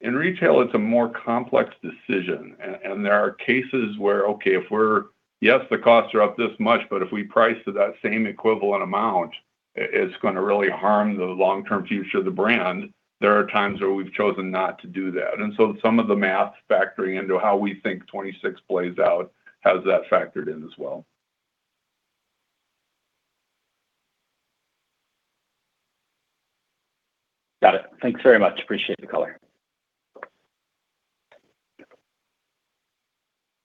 in retail, it's a more complex decision, and there are cases where, okay, if we're, yes, the costs are up this much, but if we price to that same equivalent amount, it's going to really harm the long-term future of the brand. There are times where we've chosen not to do that, and so some of the math factoring into how we think 2026 plays out has that factored in as well. Got it. Thanks very much. Appreciate the color.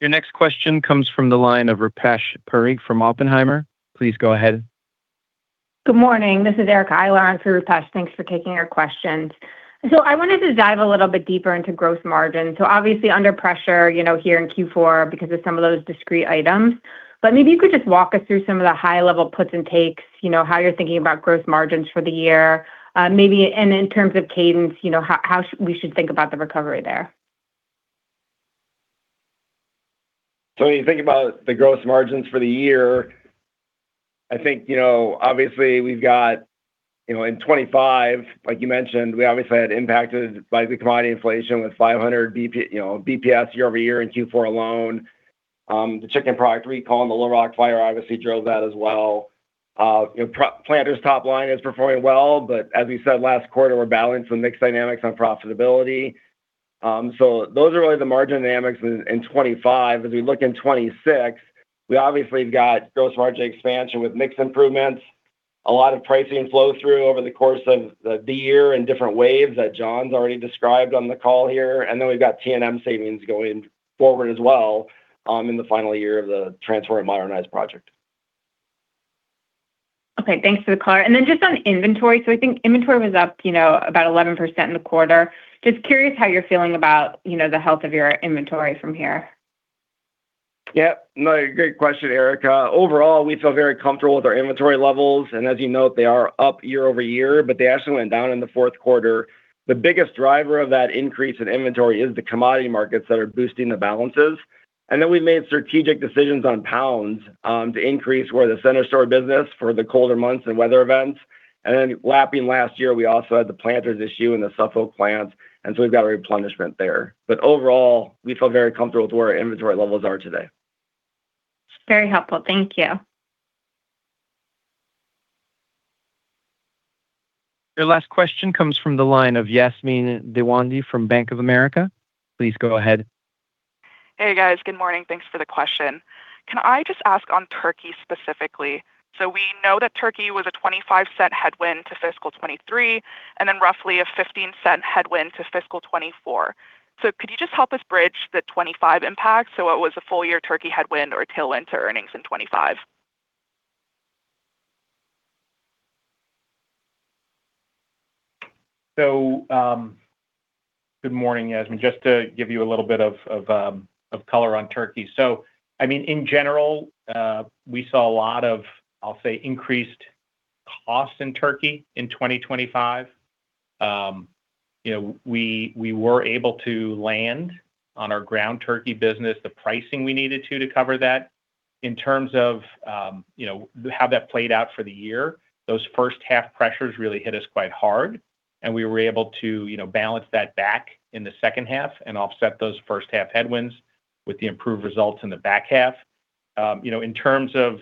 Your next question comes from the line of Rupesh Parikh from Oppenheimer. Please go ahead. Good morning. This is Erica Eiler through Rupesh. Thanks for taking our questions. So I wanted to dive a little bit deeper into gross margins. So obviously, under pressure here in Q4 because of some of those discrete items. But maybe you could just walk us through some of the high-level puts and takes, how you're thinking about gross margins for the year, maybe in terms of cadence, how we should think about the recovery there. So when you think about the gross margins for the year, I think obviously we've got in 2025, like you mentioned, we obviously had impacted by the commodity inflation with 500 basis points year-over-year in Q4 alone. The chicken product recall and the Little Rock fire obviously drove that as well. Planters' top line is performing well. But as we said last quarter, we're balancing mixed dynamics on profitability. So those are really the margin dynamics in 2025. As we look in 2026, we obviously have got gross margin expansion with mixed improvements, a lot of pricing flow-through over the course of the year in different waves that John's already described on the call here. And then we've got T&M savings going forward as well in the final year of the Transform & Modernize project. Okay. Thanks for the call, and then just on inventory, so I think inventory was up about 11% in the quarter. Just curious how you're feeling about the health of your inventory from here. Yeah. No, great question, Erica. Overall, we feel very comfortable with our inventory levels. And as you note, they are up year-over-year, but they actually went down in the fourth quarter. The biggest driver of that increase in inventory is the commodity markets that are boosting the balances. And then we've made strategic decisions on pounds to increase where the center store business for the colder months and weather events. And then lapping last year, we also had the Planters issue in the Suffolk plant. And so we've got a replenishment there. But overall, we feel very comfortable with where our inventory levels are today. Very helpful. Thank you. Your last question comes from the line of Yasmine Deswandhy from Bank of America. Please go ahead. Hey, guys. Good morning. Thanks for the question. Can I just ask on turkey specifically? So we know that turkey was a $0.25 headwind to fiscal 2023, and then roughly a $0.15 headwind to fiscal 2024. So could you just help us bridge the 2025 impact? So it was a full-year turkey headwind or tailwind to earnings in 2025? Good morning, Yasmine. Just to give you a little bit of color on turkey. I mean, in general, we saw a lot of, I'll say, increased costs in turkey in 2025. We were able to land on our ground turkey business the pricing we needed to cover that. In terms of how that played out for the year, those first half pressures really hit us quite hard. We were able to balance that back in the second half and offset those first half headwinds with the improved results in the back half of the year. In terms of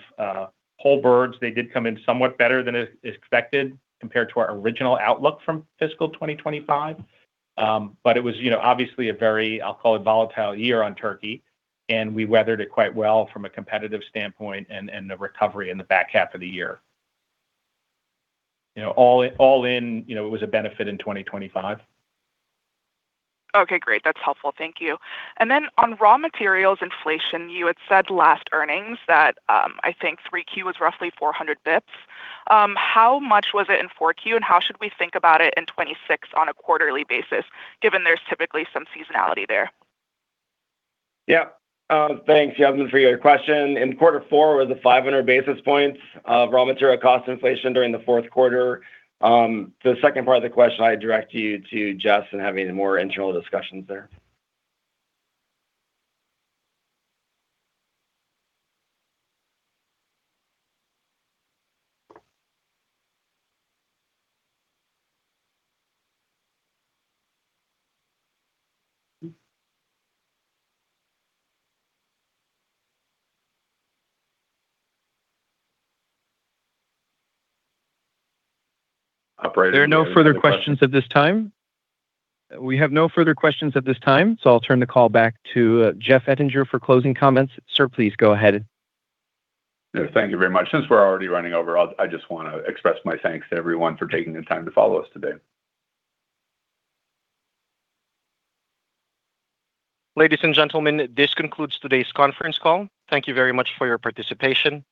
whole birds, they did come in somewhat better than expected compared to our original outlook from fiscal 2025. It was obviously a very, I'll call it, volatile year on turkey. We weathered it quite well from a competitive standpoint and the recovery in the back half of the year. All in, it was a benefit in 2025. Okay. Great. That's helpful. Thank you. And then on raw materials inflation, you had said last earnings that I think 3Q was roughly 400 basis points. How much was it in 4Q, and how should we think about it in 2026 on a quarterly basis, given there's typically some seasonality there? Yeah. Thanks, Yasmin, for your question. In quarter four, it was a 500 basis points of raw material cost inflation during the fourth quarter. The second part of the question, I'd direct you to Jeff and have any more internal discussions there. There are no further questions at this time. We have no further questions at this time. So I'll turn the call back to Jeff Ettinger for closing comments. Sir, please go ahead. Thank you very much. Since we're already running over, I just want to express my thanks to everyone for taking the time to follow us today. Ladies and gentlemen, this concludes today's conference call. Thank you very much for your participation.